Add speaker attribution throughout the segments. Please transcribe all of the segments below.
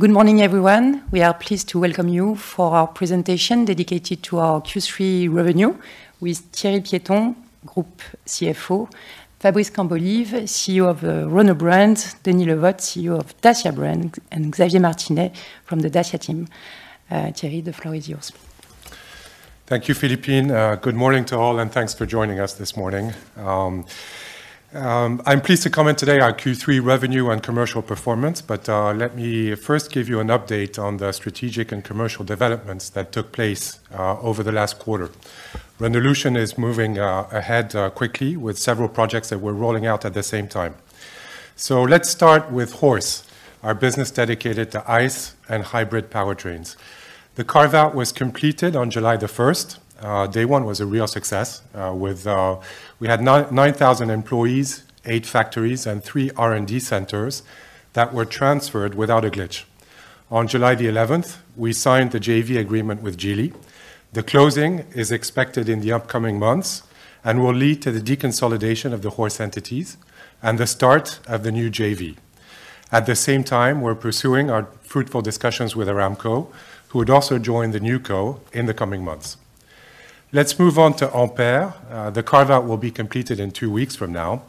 Speaker 1: Good morning, everyone. We are pleased to welcome you for our presentation dedicated to our Q3 revenue with Thierry Piéton, Group CFO, Fabrice Cambolive, CEO of Renault Brand, Denis Le Vot, CEO of Dacia Brand, and Xavier Martinez from the Dacia team. Thierry, the floor is yours.
Speaker 2: Thank you, Philippine. Good morning to all, and thanks for joining us this morning. I'm pleased to comment today on Q3 revenue and commercial performance, but let me first give you an update on the strategic and commercial developments that took place over the last quarter. Renaulution is moving ahead quickly, with several projects that we're rolling out at the same time. So let's start with HORSE, our business dedicatedto ICE and hybrid powertrains. The carve-out was completed on July the 1st. Day one was a real success, with... We had 9,000 employees, eight factories, and three R&D centers that were transferred without a glitch. On July the 11th, we signed the JV agreement with Geely. The closing is expected in the upcoming months and will lead to the deconsolidation of the HORSE entities and the start of the new JV. At the same time, we're pursuing our fruitful discussions with Aramco, who would also join the new JV in the coming months. Let's move on to Ampere. The carve-out will be completed in two weeks from now.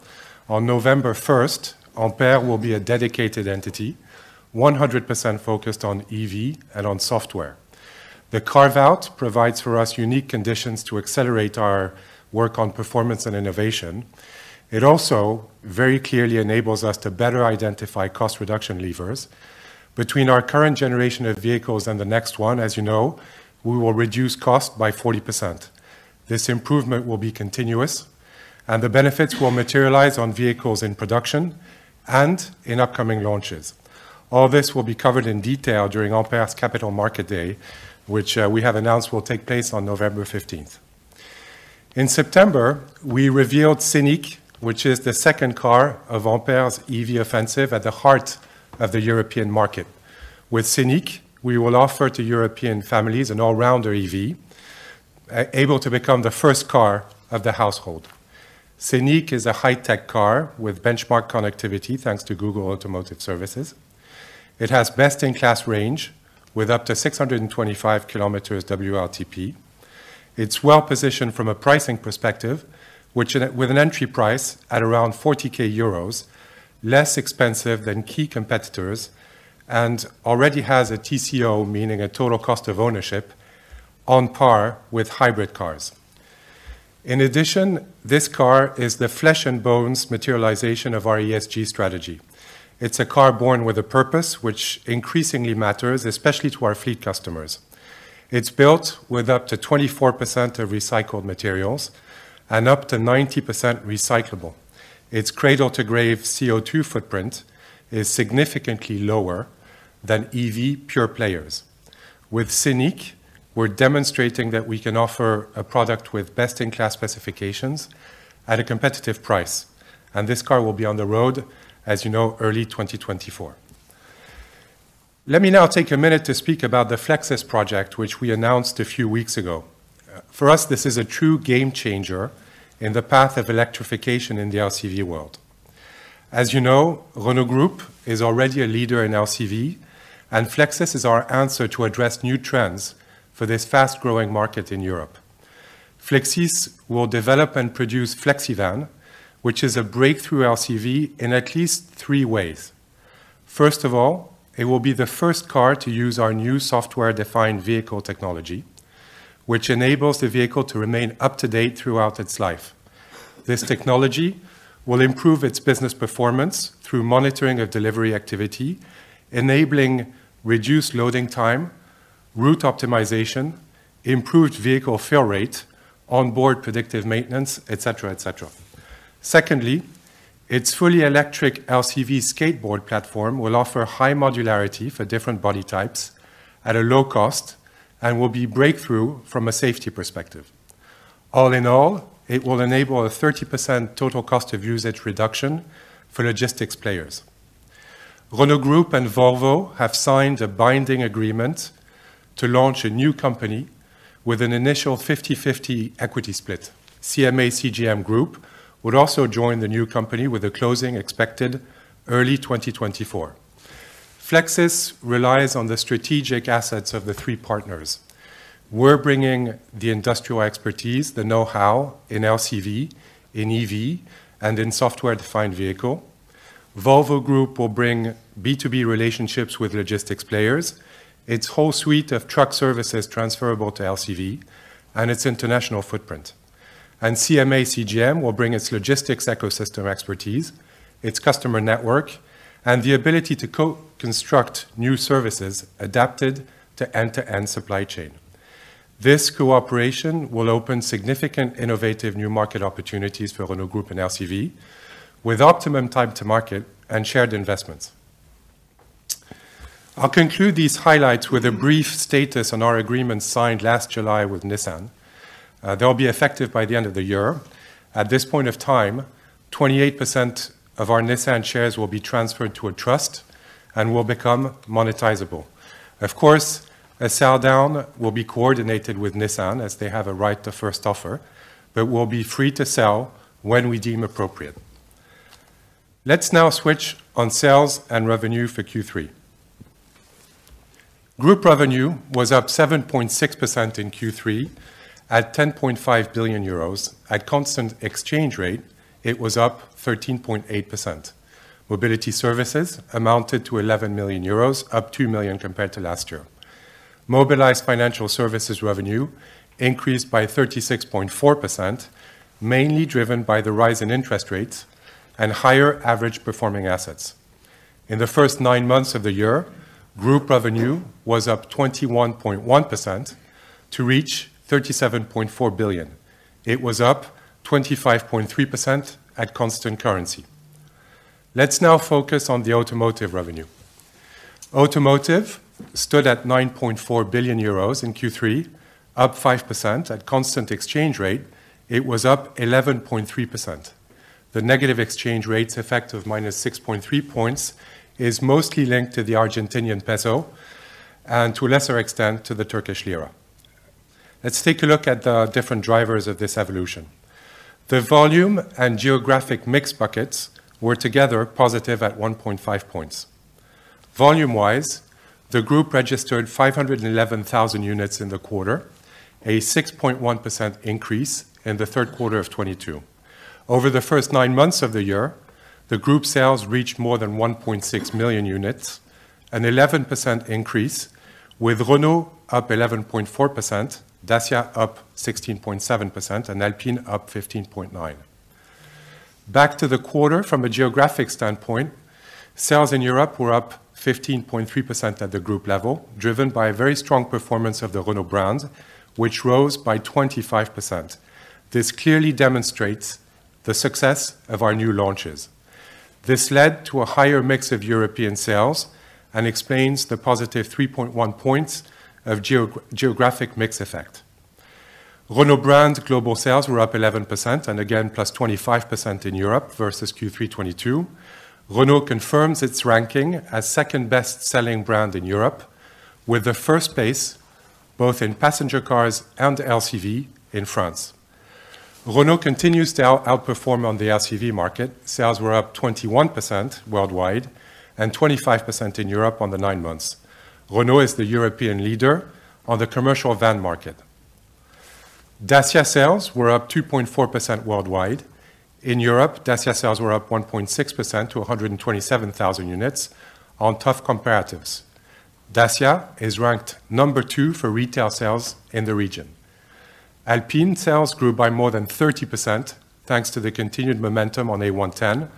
Speaker 2: On November 1st, Ampere will be a dedicated entity, 100% focused on EV and on software. The carve-out provides for us unique conditions to accelerate our work on performance and innovation. It also very clearly enables us to better identify cost reduction levers. Between our current generation of vehicles and the next one, as you know, we will reduce cost by 40%. This improvement will be continuous, and the benefits will materialize on vehicles in production and in upcoming launches. All this will be covered in detail during Ampere's Capital Market Day, which we have announced will take place on 15th November. In September, we revealed Scenic, which is the second car of Ampere's EV offensive at the heart of the European market. With Scenic, we will offer to European families an all-rounder EV, able to become the first car of the household. Scenic is a high-tech car with benchmark connectivity, thanks to Google Automotive Services. It has best-in-class range, with up to 625 km WLTP. It's well-positioned from a pricing perspective, which with an entry price at around 40,000 euros, less expensive than key competitors, and already has a TCO, meaning a total cost of ownership, on par with hybrid cars. In addition, this car is the flesh and bones materialization of our ESG strategy. It's a car born with a purpose which increasingly matters, especially to our fleet customers. It's built with up to 24% of recycled materials and up to 90% recyclable. Its cradle-to-grave CO2 footprint is significantly lower than EV pure players. With Scenic, we're demonstrating that we can offer a product with best-in-class specifications at a competitive price, and this car will be on the road, as you know, early 2024. Let me now take a minute to speak about the Flexis project, which we announced a few weeks ago. For us, this is a true game changer in the path of electrification in the LCV world. As you know, Renault Group is already a leader in LCV, and Flexis is our answer to address new trends for this fast-growing market in Europe. Flexis will develop and produce Flexivan, which is a breakthrough LCV in at least three ways. First of all, it will be the first car to use our new software-defined vehicle technology, which enables the vehicle to remain up-to-date throughout its life. This technology will improve its business performance through monitoring of delivery activity, enabling reduced loading time, route optimization, improved vehicle fill rate, onboard predictive maintenance, et cetera, et cetera. Secondly, its fully electric LCV skateboard platform will offer high modularity for different body types at a low cost and will be breakthrough from a safety perspective. All in all, it will enable a 30% total cost of usage reduction for logistics players. Renault Group and Volvo have signed a binding agreement to launch a new company with an initial 50/50 equity split. CMA CGM Group would also join the new company, with a closing expected early 2024. Flexis relies on the strategic assets of the three partners. We're bringing the industrial expertise, the know-how in LCV, in EV, and in software-defined vehicle. Volvo Group will bring B2B relationships with logistics players, its whole suite of truck services transferable to LCV, and its international footprint. CMA CGM will bring its logistics ecosystem expertise, its customer network, and the ability to co-construct new services adapted to end-to-end supply chain. This cooperation will open significant, innovative new market opportunities for Renault Group and LCV, with optimum time to market and shared investments. I'll conclude these highlights with a brief status on our agreement signed last July with Nissan. They'll be effective by the end of the year. At this point of time, 28% of our Nissan shares will be transferred to a trust and will become monetizable. Of course, a sell-down will be coordinated with Nissan, as they have a right to first offer, but we'll be free to sell when we deem appropriate. Let's now switch on sales and revenue for Q3. Group revenue was up 7.6% in Q3, at 10.5 billion euros. At constant exchange rate, it was up 13.8%. Mobility services amounted to 11 million euros, up 2 million compared to last year. Mobilize Financial Services revenue increased by 36.4%, mainly driven by the rise in interest rates and higher average performing assets. In the first nine months of the year, group revenue was up 21.1% to reach 37.4 billion. It was up 25.3% at constant currency. Let's now focus on the automotive revenue. Automotive stood at 9.4 billion euros in Q3, up 5%. At constant exchange rate, it was up 11.3%. The negative exchange rates effect of -6.3 points is mostly linked to the Argentine peso and, to a lesser extent, to the Turkish lira. Let's take a look at the different drivers of this evolution. The volume and geographic mix buckets were together positive at 1.5 points. Volume-wise, the group registered 511,000 units in the quarter, a 6.1% increase in the third quarter of 2022. Over the first nine months of the year, the group sales reached more than 1.6 million units, an 11% increase, with Renault up 11.4%, Dacia up 16.7%, and Alpine up 15.9%. Back to the quarter, from a geographic standpoint, sales in Europe were up 15.3% at the group level, driven by a very strong performance of the Renault brand, which rose by 25%. This clearly demonstrates the success of our new launches. This led to a higher mix of European sales and explains the positive 3.1 points of geographic mix effect. Renault brands global sales were up 11% and again, +25% in Europe versus Q3 2022. Renault confirms its ranking as second-best-selling brand in Europe, with the first place both in passenger cars and LCV in France. Renault continues to outperform on the LCV market. Sales were up 21% worldwide and 25% in Europe on the 9 months. Renault is the European leader on the commercial van market. Dacia sales were up 2.4% worldwide. In Europe, Dacia sales were up 1.6% to 127,000 units on tough comparatives. Dacia is ranked number two for retail sales in the region. Alpine sales grew by more than 30%, thanks to the continued momentum on A110,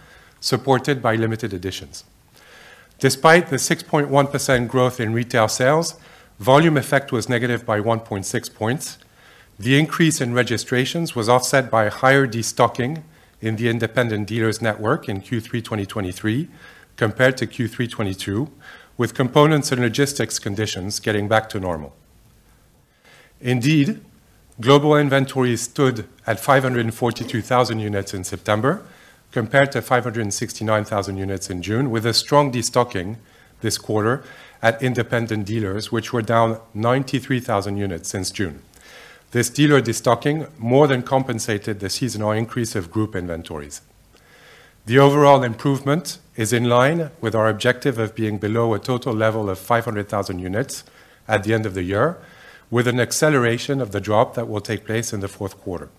Speaker 2: supported by limited editions. Despite the 6.1% growth in retail sales, volume effect was negative by 1.6 points. The increase in registrations was offset by a higher destocking in the independent dealers network in Q3 2023, compared to Q3 2022, with components and logistics conditions getting back to normal. Indeed, global inventory stood at 542,000 units in September, compared to 569,000 units in June, with a strong destocking this quarter at independent dealers, which were down 93,000 units since June. This dealer destocking more than compensated the seasonal increase of group inventories. The overall improvement is in line with our objective of being below a total level of 500,000 units at the end of the year, with an acceleration of the drop that will take place in the fourth quarter.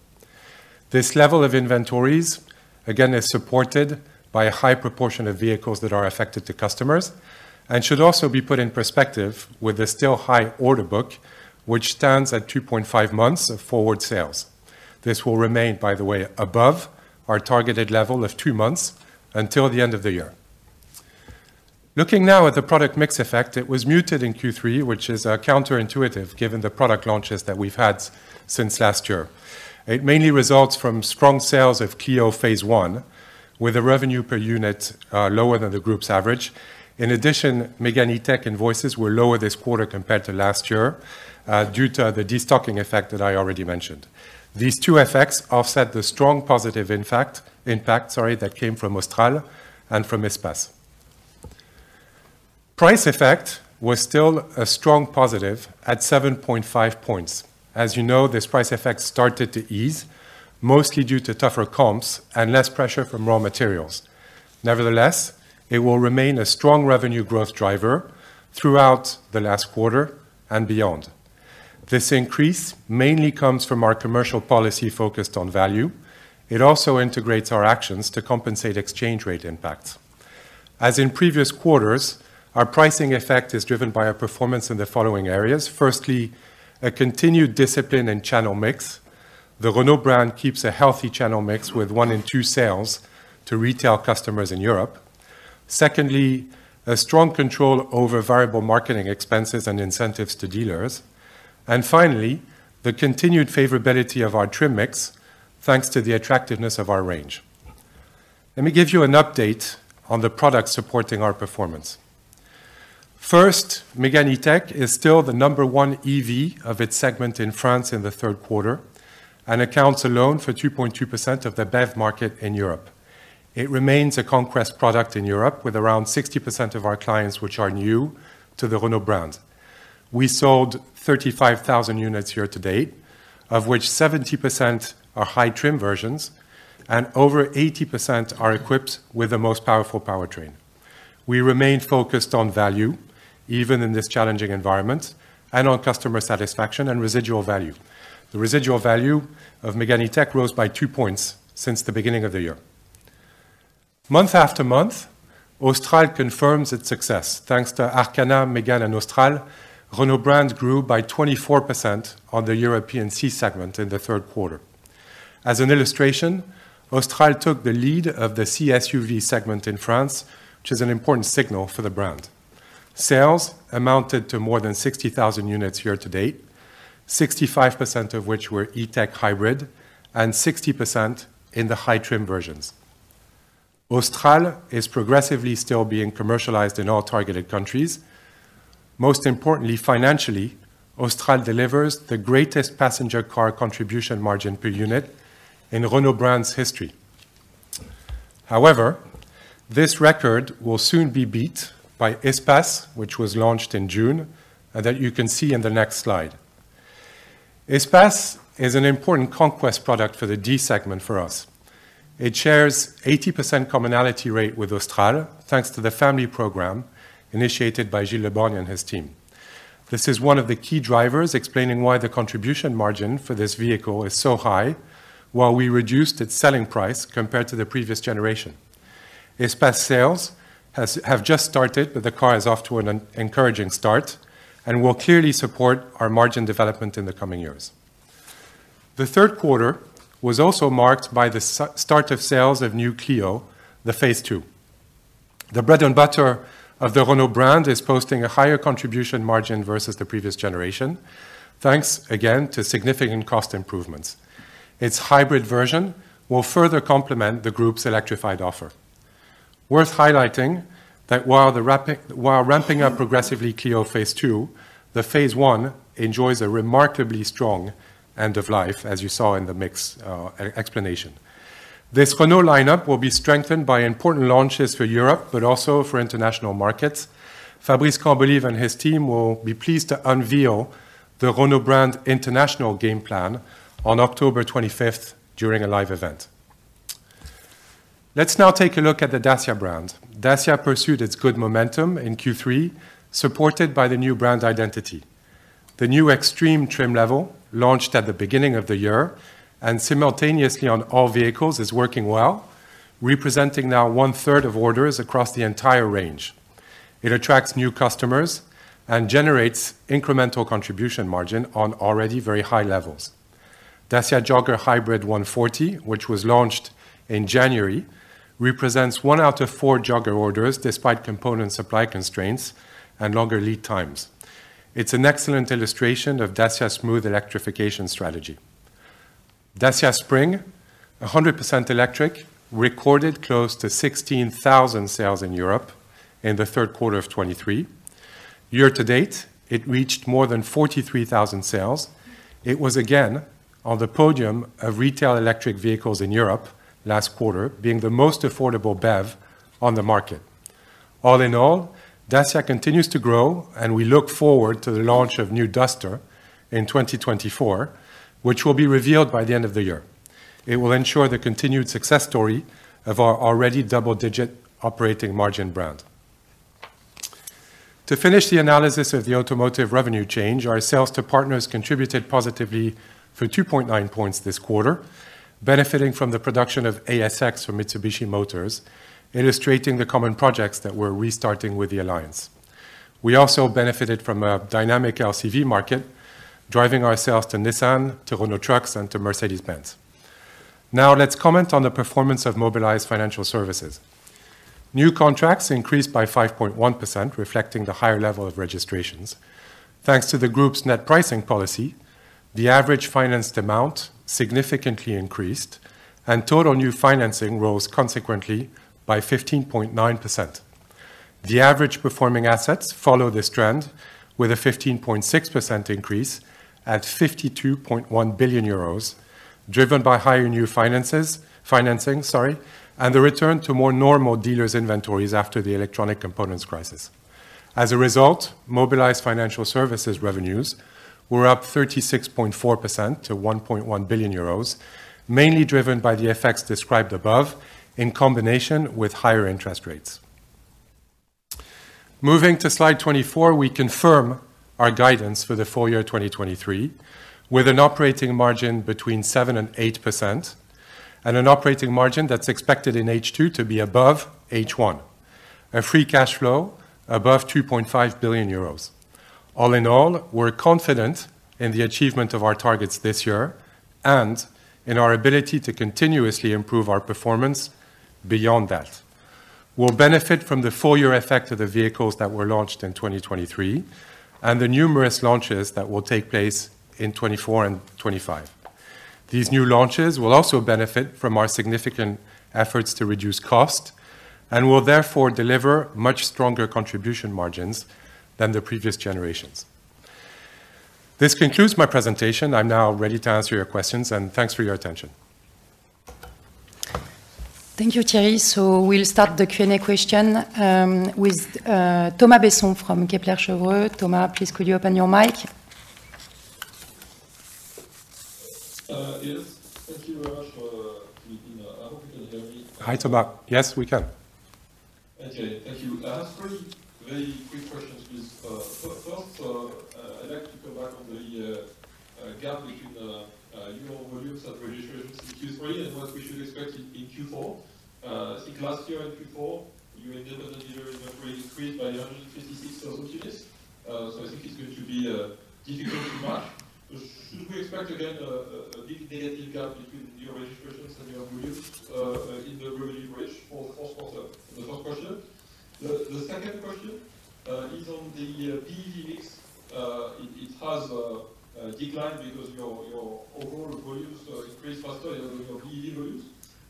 Speaker 2: This level of inventories, again, is supported by a high proportion of vehicles that are affected to customers and should also be put in perspective with a still high order book, which stands at 2.5 months of forward sales. This will remain, by the way, above our targeted level of two months until the end of the year. Looking now at the product mix effect, it was muted in Q3, which is counterintuitive, given the product launches that we've had since last year. It mainly results from strong sales of Clio phase one, with a revenue per unit lower than the group's average. In addition, Mégane E-Tech invoices were lower this quarter compared to last year, due to the destocking effect that I already mentioned. These two effects offset the strong positive, in fact, impact, sorry, that came from Austral and from Espace. Price effect was still a strong positive at 7.5 points. As you know, this price effect started to ease, mostly due to tougher comps and less pressure from raw materials. Nevertheless, it will remain a strong revenue growth driver throughout the last quarter and beyond. This increase mainly comes from our commercial policy focused on value. It also integrates our actions to compensate exchange rate impacts. As in previous quarters, our pricing effect is driven by our performance in the following areas: firstly, a continued discipline and channel mix. The Renault brand keeps a healthy channel mix with one in two sales to retail customers in Europe. Secondly, a strong control over variable marketing expenses and incentives to dealers. Finally, the continued favorability of our trim mix, thanks to the attractiveness of our range. Let me give you an update on the products supporting our performance. First, Mégane E-Tech is still the number one EV of its segment in France in the third quarter and accounts alone for 2.2% of the BEV market in Europe. It remains a conquest product in Europe, with around 60% of our clients, which are new to the Renault brand. We sold 35,000 units year to date, of which 70% are high trim versions and over 80% are equipped with the most powerful powertrain. We remain focused on value, even in this challenging environment, and on customer satisfaction and residual value. The residual value of Mégane E-Tech rose by 2 points since the beginning of the year. Month after month, Austral confirms its success. Thanks to Arkana, Mégane, and Austral, Renault brand grew by 24% on the European C segment in the third quarter. As an illustration, Austral took the lead of the C-SUV segment in France, which is an important signal for the brand. Sales amounted to more than 60,000 units year to date, 65% of which were E-Tech Hybrid and 60% in the high trim versions. Austral is progressively still being commercialized in all targeted countries. Most importantly, financially, Austral delivers the greatest passenger car contribution margin per unit in Renault brand's history. However, this record will soon be beat by Espace, which was launched in June, and that you can see in the next slide. Espace is an important conquest product for the D segment for us. It shares 80% commonality rate with Austral, thanks to the family program initiated by Gilles Le Borgne and his team. This is one of the key drivers explaining why the contribution margin for this vehicle is so high, while we reduced its selling price compared to the previous generation. Espace sales have just started, but the car is off to an encouraging start and will clearly support our margin development in the coming years. The third quarter was also marked by the start of sales of new Clio, the Phase Two. The bread and butter of the Renault brand is posting a higher contribution margin versus the previous generation, thanks again to significant cost improvements. Its hybrid version will further complement the group's electrified offer. Worth highlighting that while ramping up progressively Clio Phase Two, the Phase One enjoys a remarkably strong end of life, as you saw in the mix explanation. This Renault lineup will be strengthened by important launches for Europe, but also for international markets. Fabrice Cambolive and his team will be pleased to unveil the Renault brand international game plan on October 25th, during a live event. Let's now take a look at the Dacia brand. Dacia pursued its good momentum in Q3, supported by the new brand identity. The new extreme trim level, launched at the beginning of the year and simultaneously on all vehicles, is working well, representing now one-third of orders across the entire range. It attracts new customers and generates incremental contribution margin on already very high levels. Dacia Jogger Hybrid 140, which was launched in January, represents one out of four Jogger orders, despite component supply constraints and longer lead times. It's an excellent illustration of Dacia's smooth electrification strategy. Dacia Spring, 100% electric, recorded close to 16,000 sales in Europe in the third quarter of 2023. Year to date, it reached more than 43,000 sales. It was again on the podium of retail electric vehicles in Europe last quarter, being the most affordable BEV on the market. All in all, Dacia continues to grow, and we look forward to the launch of new Duster in 2024, which will be revealed by the end of the year. It will ensure the continued success story of our already double-digit operating margin brand. To finish the analysis of the automotive revenue change, our sales to partners contributed positively for 2.9 points this quarter, benefiting from the production of ASX for Mitsubishi Motors, illustrating the common projects that we're restarting with the alliance. We also benefited from a dynamic LCV market, driving ourselves to Nissan, to Renault Trucks, and to Mercedes-Benz. Now, let's comment on the performance of Mobilize Financial Services. New contracts increased by 5.1%, reflecting the higher level of registrations. Thanks to the group's net pricing policy, the average financed amount significantly increased, and total new financing rose consequently by 15.9%. The average performing assets follow this trend with a 15.6% increase at 52.1 billion euros, driven by higher new financing, sorry, and the return to more normal dealers' inventories after the electronic components crisis. As a result, Mobilize Financial Services revenues were up 36.4% to 1.1 billion euros, mainly driven by the effects described above, in combination with higher interest rates. Moving to slide 24, we confirm our guidance for the full year 2023, with an operating margin between 7% and 8% and an operating margin that's expected in H2 to be above H1. A free cash flow above 2.5 billion euros. All in all, we're confident in the achievement of our targets this year and in our ability to continuously improve our performance beyond that. We'll benefit from the full year effect of the vehicles that were launched in 2023 and the numerous launches that will take place in 2024 and 2025. These new launches will also benefit from our significant efforts to reduce cost and will therefore deliver much stronger contribution margins than the previous generations. This concludes my presentation. I'm now ready to answer your questions, and thanks for your attention.
Speaker 1: Thank you, Thierry. We'll start the Q&A question with Thomas Besson from Kepler Cheuvreux. Thomas, please, could you open your mic?
Speaker 3: I hope you can hear me.
Speaker 2: Hi, Thomas. Yes, we can.
Speaker 3: Okay, thank you. I have three very quick questions, please. First, I'd like to come back on the gap between your volumes and registrations in Q3, and what we should expect in Q4. I think last year in Q4, your independent dealer inventory increased by 156,000 units. So I think it's going to be difficult to match. Should we expect again a big negative gap between new registrations and your volumes in the revenue bridge for fourth quarter? The first question. The second question is on the BEV mix. It has declined because your overall volumes increased faster than your BEV volumes.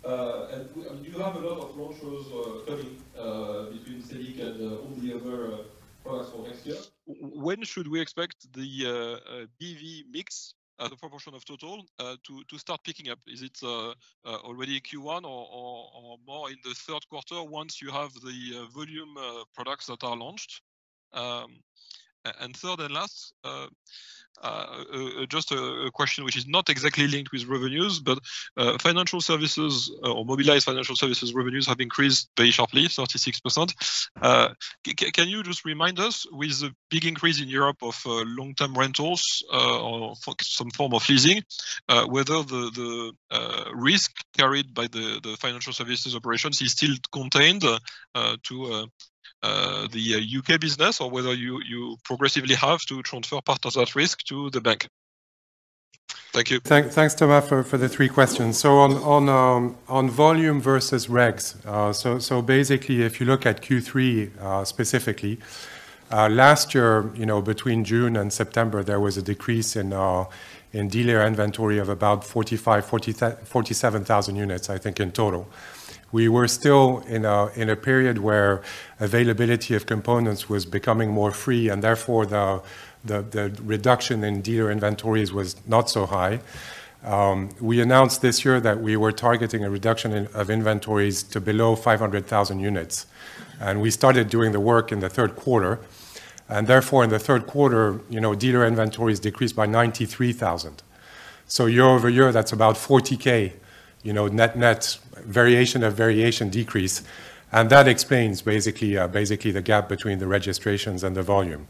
Speaker 3: And you have a lot of launches coming between Scenic and all the other products for next year. When should we expect the BEV mix, the proportion of total to start picking up? Is it already Q1 or more in the third quarter, once you have the volume products that are launched? And third and last, just a question which is not exactly linked with revenues, but financial services or Mobilize Financial Services revenues have increased very sharply, 36%. Can you just remind us, with the big increase in Europe of long-term rentals or for some form of leasing, whether the risk carried by the financial services operations is still contained to the U.K. business, or whether you progressively have to transfer part of that risk to the bank? Thank you.
Speaker 2: Thanks, Thomas, for the three questions. So on volume versus regs, so basically, if you look at Q3, specifically, last year, you know, between June and September, there was a decrease in dealer inventory of about 47,000 units, I think, in total. We were still in a period where availability of components was becoming more free, and therefore, the reduction in dealer inventories was not so high. We announced this year that we were targeting a reduction in inventories to below 500,000 units, and we started doing the work in the third quarter. And therefore, in the third quarter, you know, dealer inventories decreased by 93,000. So year-over-year, that's about 40,000, you know, net variation decrease. That explains basically the gap between the registrations and the volume.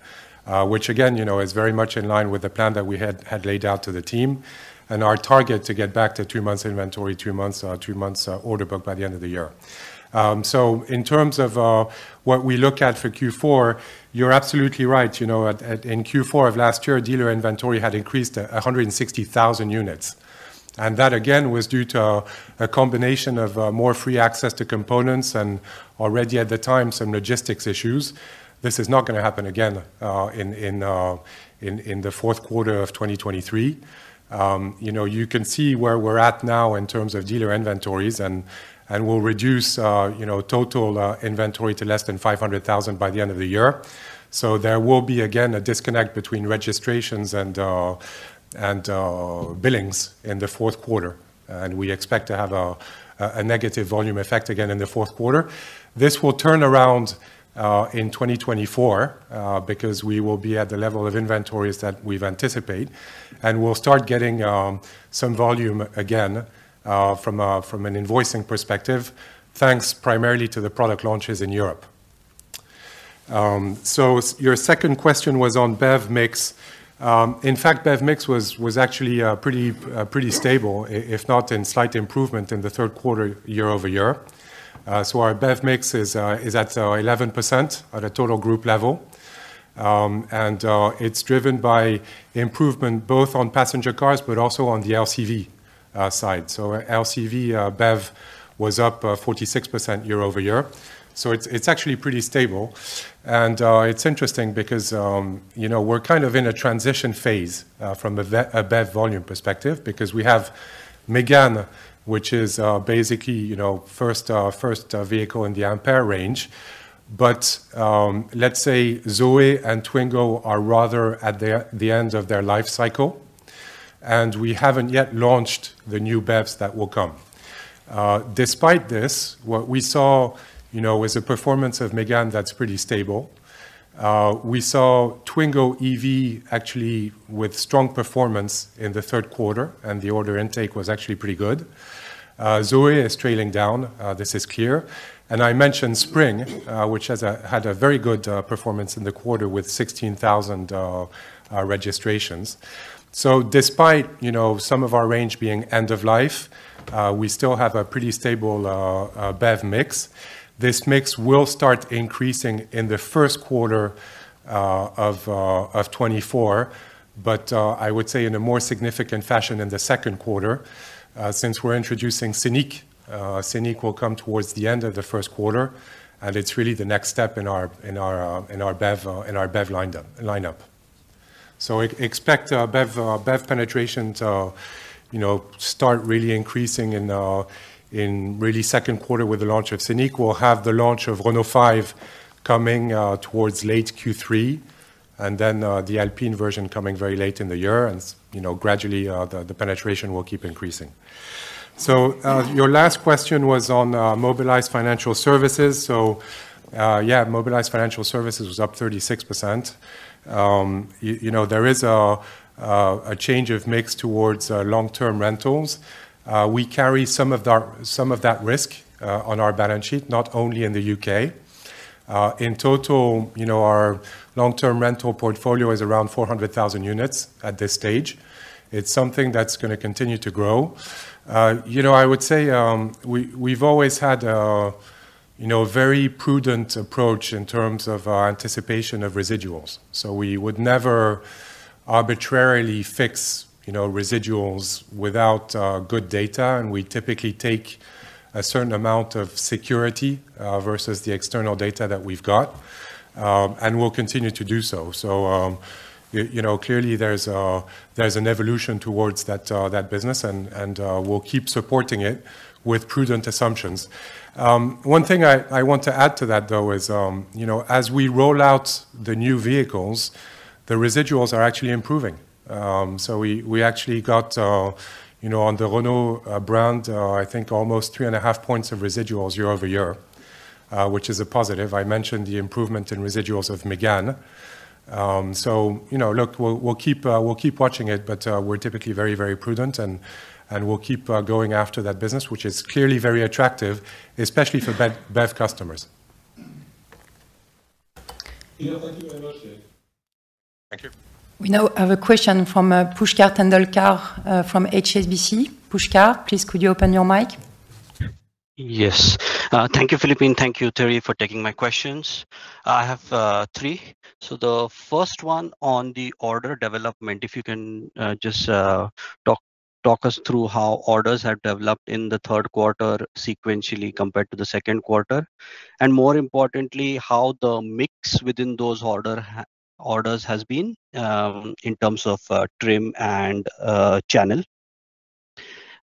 Speaker 2: Which again, you know, is very much in line with the plan that we had laid out to the team, and our target to get back to two months inventory, two months order book by the end of the year. So in terms of what we look at for Q4, you're absolutely right. You know, in Q4 of last year, dealer inventory had increased 160,000 units. And that, again, was due to a combination of more free access to components and already at the time, some logistics issues. This is not going to happen again, in the fourth quarter of 2023. You know, you can see where we're at now in terms of dealer inventories and, and we'll reduce, you know, total inventory to less than 500,000 by the end of the year. So there will be, again, a disconnect between registrations and billings in the fourth quarter, and we expect to have a negative volume effect again in the fourth quarter. This will turn around in 2024, because we will be at the level of inventories that we've anticipate, and we'll start getting some volume again from an invoicing perspective, thanks primarily to the product launches in Europe. So your second question was on BEV mix. In fact, BEV mix was actually pretty stable, if not in slight improvement in the third quarter, year-over-year. So our BEV mix is at 11% at a total group level. And it's driven by improvement, both on passenger cars, but also on the LCV side. So LCV BEV was up 46% year-over-year. So it's actually pretty stable. And it's interesting because, you know, we're kind of in a transition phase from a BEV volume perspective, because we have Megane, which is basically, you know, first vehicle in the Ampere range. But let's say Zoe and Twingo are rather at the end of their life cycle, and we haven't yet launched the new BEVs that will come. Despite this, what we saw, you know, is a performance of Megane that's pretty stable. We saw Twingo EV actually with strong performance in the third quarter, and the order intake was actually pretty good. Zoe is trailing down, this is clear. And I mentioned Spring, which had a very good performance in the quarter with 16,000 registrations. So despite, you know, some of our range being end of life, we still have a pretty stable BEV mix. This mix will start increasing in the first quarter of 2024, but I would say in a more significant fashion in the second quarter, since we're introducing Scenic. Scenic will come towards the end of the first quarter, and it's really the next step in our BEV lineup. So expect our BEV penetration to, you know, start really increasing in really second quarter with the launch of Scenic. We'll have the launch of Renault 5 coming towards late Q3, and then the Alpine version coming very late in the year. And, you know, gradually the penetration will keep increasing. So your last question was on Mobilize Financial Services. So yeah, Mobilize Financial Services was up 36%. You know, there is a change of mix towards long-term rentals. We carry some of that risk on our balance sheet, not only in the U.K. In total, you know, our long-term rental portfolio is around 400,000 units at this stage. It's something that's going to continue to grow. You know, I would say, we’ve always had a you know, very prudent approach in terms of our anticipation of residuals. So we would never arbitrarily fix, you know, residuals without good data, and we typically take a certain amount of security versus the external data that we’ve got, and we’ll continue to do so. So, you know, clearly there’s a there’s an evolution towards that that business, and we’ll keep supporting it with prudent assumptions. One thing I want to add to that, though, is, you know, as we roll out the new vehicles, the residuals are actually improving. So we actually got, you know, on the Renault brand, I think almost 3.5 points of residuals year-over-year, which is a positive. I mentioned the improvement in residuals of Mégane. So, you know, look, we'll keep watching it, but we're typically very, very prudent, and we'll keep going after that business, which is clearly very attractive, especially for BEV customers.
Speaker 3: Yeah, thank you very much. Thank you.
Speaker 1: We now have a question from, Pushkar Tendolkar, from HSBC. Pushkar, please, could you open your mic?
Speaker 4: Yes. Thank you, Philippine. Thank you, Thierry, for taking my questions. I have three. So the first one on the order development, if you can just talk us through how orders have developed in the third quarter sequentially compared to the second quarter, and more importantly, how the mix within those orders has been, in terms of trim and channel.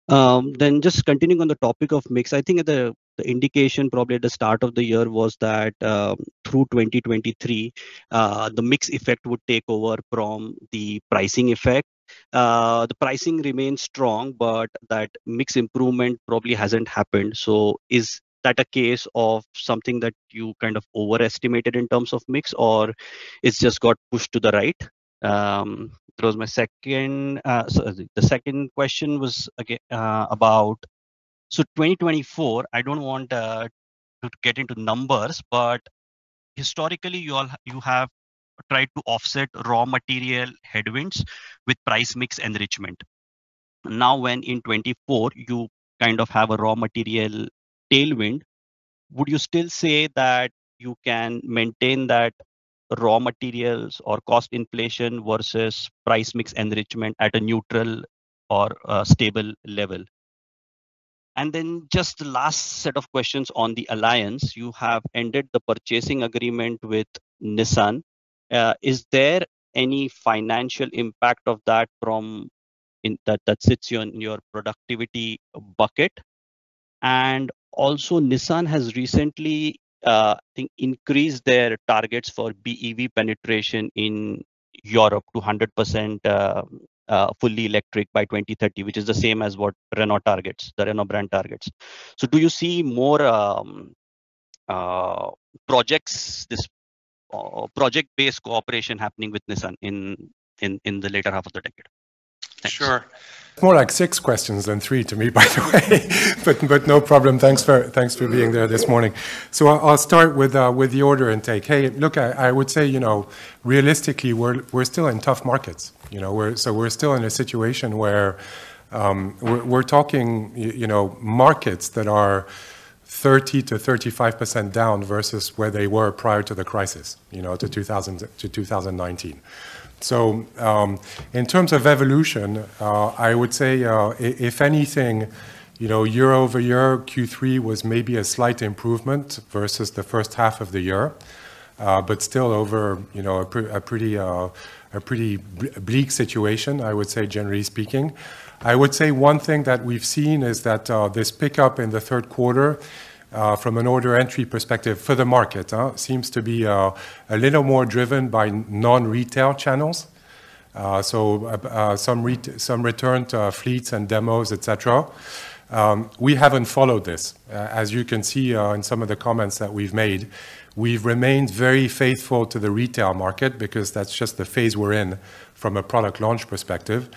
Speaker 4: Then just continuing on the topic of mix, I think the indication probably at the start of the year was that through 2023, the mix effect would take over from the pricing effect. The pricing remains strong, but that mix improvement probably hasn't happened. So is that a case of something that you kind of overestimated in terms of mix, or it's just got pushed to the right? It was my second... So the second question was, again, about, so 2024, I don't want to get into numbers, but historically, you have tried to offset raw material headwinds with price mix enrichment. Now, when in 2024, you kind of have a raw material tailwind, would you still say that you can maintain that raw materials or cost inflation versus price mix enrichment at a neutral or a stable level? And then just the last set of questions on the alliance. You have ended the purchasing agreement with Nissan. Is there any financial impact of that from in that, that sits you on your productivity bucket? And also, Nissan has recently, I think, increased their targets for BEV penetration in Europe to 100%, fully electric by 2030, which is the same as what Renault targets, the Renault brand targets. So do you see more projects, this project-based cooperation happening with Nissan in the later half of the decade? Thanks.
Speaker 2: Sure. More like six questions than three to me, by the way, but no problem. Thanks for being there this morning. So I'll start with the order intake. Hey, look, I would say, you know, realistically, we're still in tough markets, you know. We're so we're still in a situation where we're talking, you know, markets that are 30%-35% down versus where they were prior to the crisis, you know, to 2019. So in terms of evolution, I would say, if anything, you know, year-over-year, Q3 was maybe a slight improvement versus the first half of the year, but still over, you know, a pretty bleak situation, I would say, generally speaking. I would say one thing that we've seen is that, this pickup in the third quarter, from an order entry perspective for the market, seems to be, a little more driven by non-retail channels. So, some return to fleets and demos, et cetera. We haven't followed this. As you can see, in some of the comments that we've made, we've remained very faithful to the retail market because that's just the phase we're in from a product launch perspective.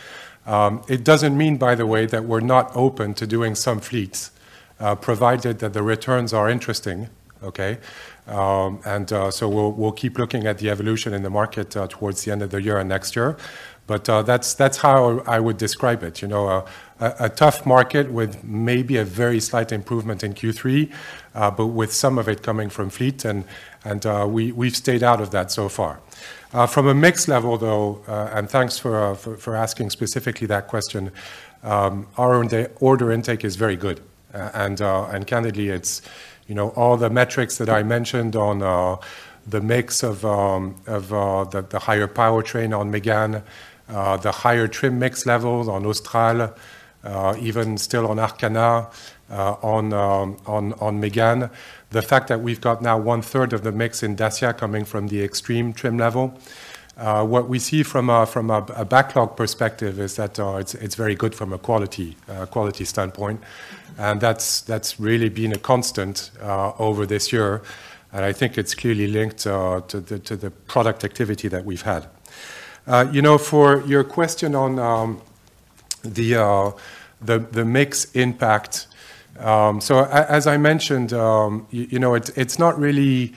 Speaker 2: It doesn't mean, by the way, that we're not open to doing some fleets, provided that the returns are interesting, okay? And, so we'll, we'll keep looking at the evolution in the market, towards the end of the year and next year. But, that's, that's how I would describe it. You know, a tough market with maybe a very slight improvement in Q3, but with some of it coming from fleet, and we’ve stayed out of that so far. From a mix level, though, and thanks for asking specifically that question, our own order intake is very good. And candidly, it’s, you know, all the metrics that I mentioned on the mix of the higher powertrain on Mégane, the higher trim mix levels on Austral, even still on Arkana, on Mégane. The fact that we’ve got now one-third of the mix in Dacia coming from the extreme trim level. What we see from a backlog perspective is that it's very good from a quality standpoint, and that's really been a constant over this year, and I think it's clearly linked to the product activity that we've had. You know, for your question on the mix impact. So as I mentioned, you know, it's not really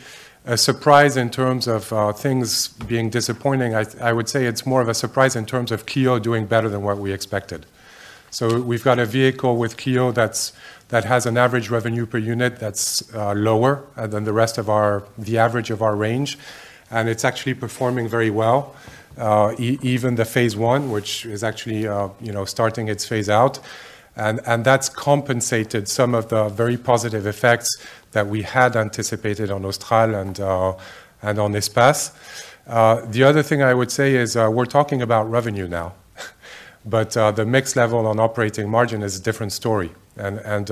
Speaker 2: a surprise in terms of things being disappointing. I would say it's more of a surprise in terms of Kia doing better than what we expected. So we've got a vehicle with Kia that has an average revenue per unit that's lower than the rest of our the average of our range, and it's actually performing very well. Even the phase one, which is actually, you know, starting its phase out. And that's compensated some of the very positive effects that we had anticipated on Austral and on Espace. The other thing I would say is, we're talking about revenue now, but the mix level on operating margin is a different story. And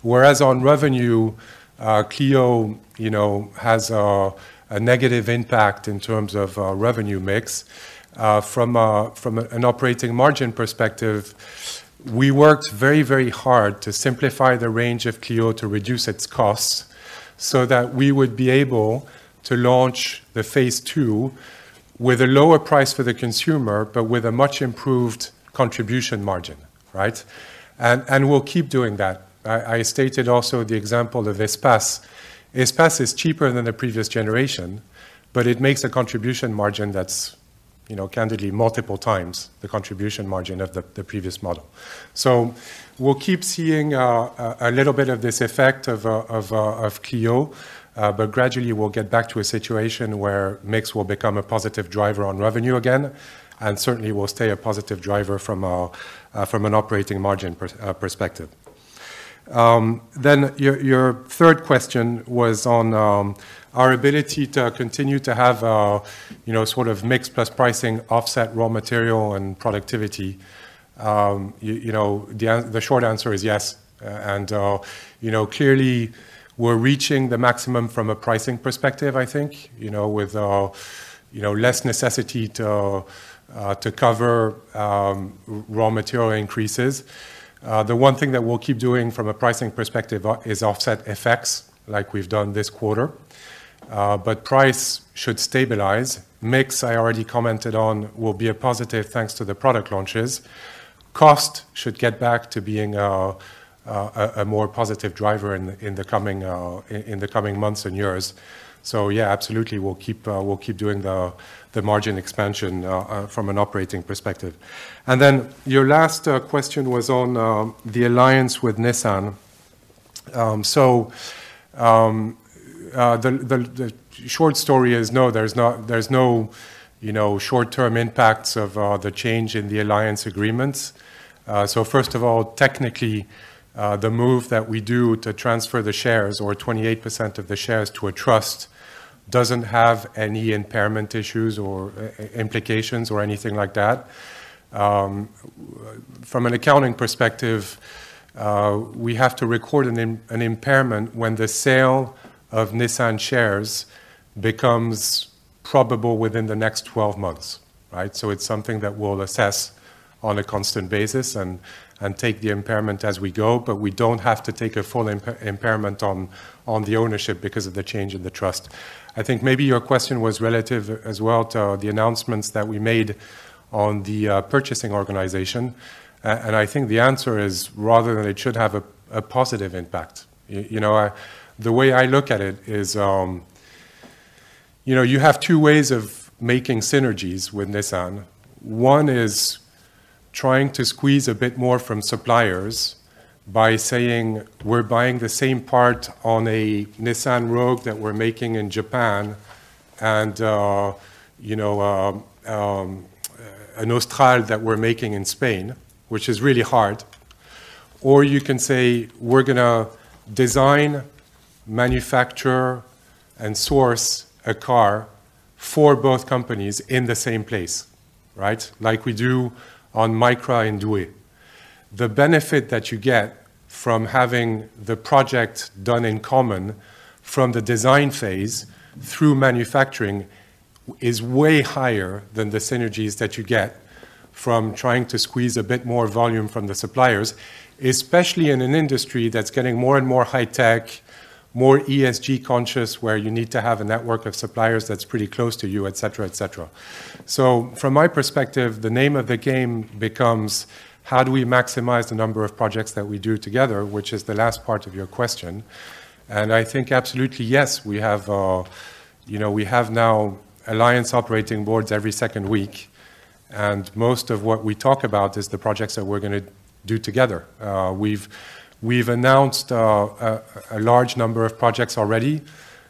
Speaker 2: whereas on revenue, Clio, you know, has a negative impact in terms of revenue mix, from a, from an operating margin perspective, we worked very, very hard to simplify the range of Clio to reduce its costs so that we would be able to launch the phase two with a lower price for the consumer, but with a much improved contribution margin, right? And we'll keep doing that. I stated also the example of Espace. Espace is cheaper than the previous generation, but it makes a contribution margin that's, you know, candidly multiple times the contribution margin of the previous model. So we'll keep seeing a little bit of this effect of Clio, but gradually we'll get back to a situation where mix will become a positive driver on revenue again, and certainly will stay a positive driver from an operating margin perspective. Then your third question was on our ability to continue to have a, you know, sort of mix plus pricing offset raw material and productivity. You know, the short answer is yes. And, you know, clearly, we're reaching the maximum from a pricing perspective, I think, you know, with, you know, less necessity to cover raw material increases. The one thing that we'll keep doing from a pricing perspective is offset effects like we've done this quarter. But price should stabilize. Mix, I already commented on, will be a positive, thanks to the product launches. Cost should get back to being a more positive driver in the coming months and years. So yeah, absolutely, we'll keep doing the margin expansion from an operating perspective. And then your last question was on the alliance with Nissan. So, the short story is, no, there's not... There's no, you know, short-term impacts of the change in the alliance agreements. So first of all, technically, the move that we do to transfer the shares or 28% of the shares to a trust doesn't have any impairment issues or implications or anything like that. From an accounting perspective, we have to record an impairment when the sale of Nissan shares becomes probable within the next 12 months, right? So it's something that we'll assess on a constant basis and take the impairment as we go, but we don't have to take a full impairment on the ownership because of the change in the trust. I think maybe your question was relative as well to the announcements that we made on the purchasing organization. And I think the answer is, rather than it should have a positive impact. You know, I... The way I look at it is, you know, you have two ways of making synergies with Nissan. One is trying to squeeze a bit more from suppliers by saying, "We're buying the same part on a Nissan Rogue that we're making in Japan, and an Austral that we're making in Spain," which is really hard. Or you can say, "We're gonna design, manufacture, and source a car for both companies in the same place," right? Like we do on Micra in Douai. The benefit that you get from having the project done in common, from the design phase through manufacturing, is way higher than the synergies that you get from trying to squeeze a bit more volume from the suppliers, especially in an industry that's getting more and more high tech, more ESG conscious, where you need to have a network of suppliers that's pretty close to you, et cetera, et cetera. So from my perspective, the name of the game becomes: How do we maximize the number of projects that we do together? Which is the last part of your question. I think absolutely, yes, we have, you know, we have now alliance operating boards every second week, and most of what we talk about is the projects that we're gonna do together. We've announced a large number of projects already.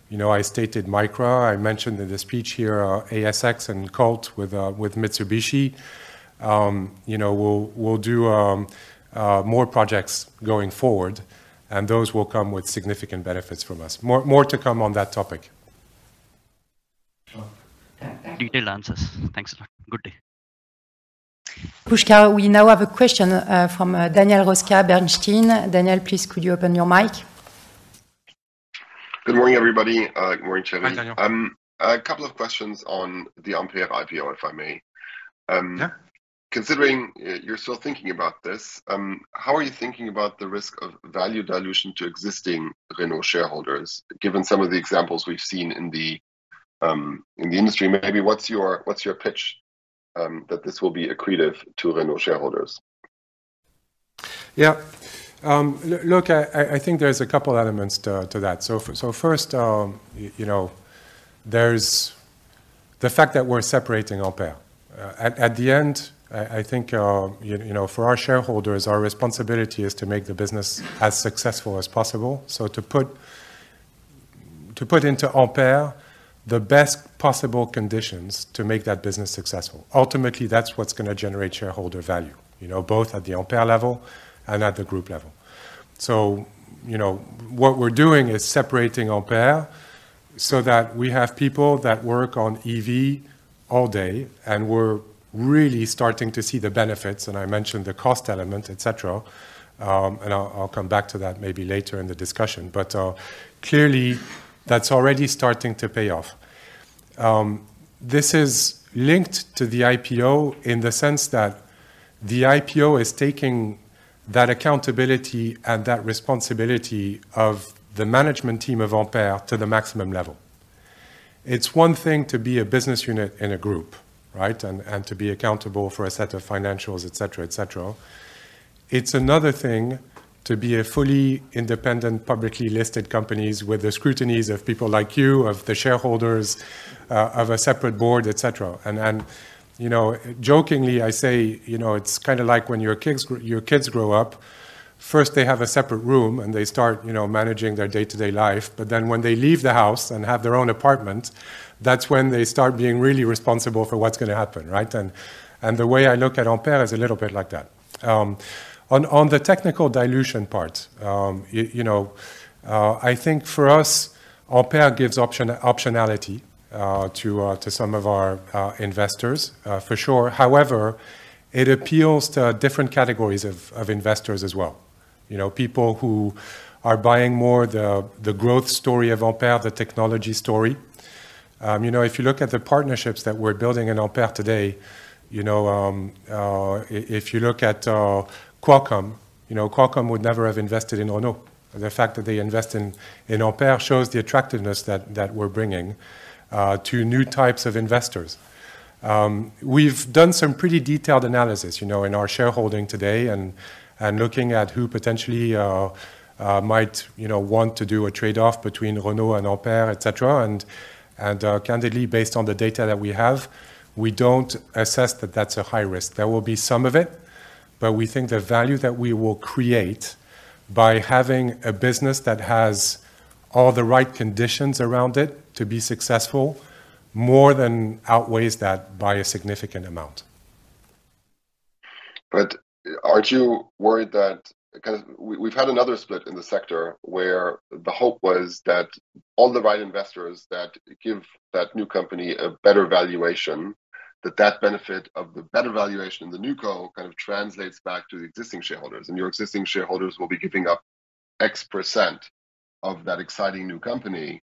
Speaker 2: You know, I stated Micra, I mentioned in the speech here, ASX and Colt with Mitsubishi. You know, we'll do more projects going forward, and those will come with significant benefits from us. More to come on that topic.
Speaker 5: Detailed answers. Thanks a lot. Good day.
Speaker 1: Pushkar, we now have a question from Daniel Roeska Bernstein. Daniel, please, could you open your mic?
Speaker 6: Good morning, everybody. Good morning, Thierry.
Speaker 7: Hi, Daniel.
Speaker 2: A couple of questions on the Ampere IPO, if I may.
Speaker 7: Yeah.
Speaker 2: Considering you're still thinking about this, how are you thinking about the risk of value dilution to existing Renault shareholders, given some of the examples we've seen in the-...
Speaker 6: in the industry, maybe what's your pitch, that this will be accretive to Renault shareholders?
Speaker 2: Yeah. Look, I think there's a couple elements to that. So first, you know, there's the fact that we're separating Ampere. At the end, I think, you know, for our shareholders, our responsibility is to make the business as successful as possible. So to put into Ampere the best possible conditions to make that business successful, ultimately, that's what's gonna generate shareholder value, you know, both at the Ampere level and at the group level. So, you know, what we're doing is separating Ampere so that we have people that work on EV all day, and we're really starting to see the benefits, and I mentioned the cost element, et cetera. And I'll come back to that maybe later in the discussion. But clearly, that's already starting to pay off. This is linked to the IPO in the sense that the IPO is taking that accountability and that responsibility of the management team of Ampere to the maximum level. It's one thing to be a business unit in a group, right? And to be accountable for a set of financials, et cetera, et cetera. It's another thing to be a fully independent, publicly listed companies with the scrutinies of people like you, of the shareholders, of a separate board, et cetera. And then, you know, jokingly, I say, you know, it's kind of like when your kids grow up, first they have a separate room, and they start, you know, managing their day-to-day life. But then when they leave the house and have their own apartment, that's when they start being really responsible for what's gonna happen, right? And the way I look at Ampere is a little bit like that. On the technical dilution part, you know, I think for us, Ampere gives optionality to some of our investors, for sure. However, it appeals to different categories of investors as well. You know, people who are buying more the growth story of Ampere, the technology story. You know, if you look at the partnerships that we're building in Ampere today, you know, if you look at Qualcomm, you know, Qualcomm would never have invested in Renault. The fact that they invest in Ampere shows the attractiveness that we're bringing to new types of investors. We've done some pretty detailed analysis, you know, in our shareholding today, and looking at who potentially might, you know, want to do a trade-off between Renault and Ampere, et cetera. Candidly, based on the data that we have, we don't assess that that's a high risk. There will be some of it, but we think the value that we will create by having a business that has all the right conditions around it to be successful more than outweighs that by a significant amount.
Speaker 6: But aren't you worried that... 'Cause we've had another split in the sector, where the hope was that all the right investors that give that new company a better valuation, that that benefit of the better valuation in the new co kind of translates back to the existing shareholders, and your existing shareholders will be giving up X% of that exciting new company,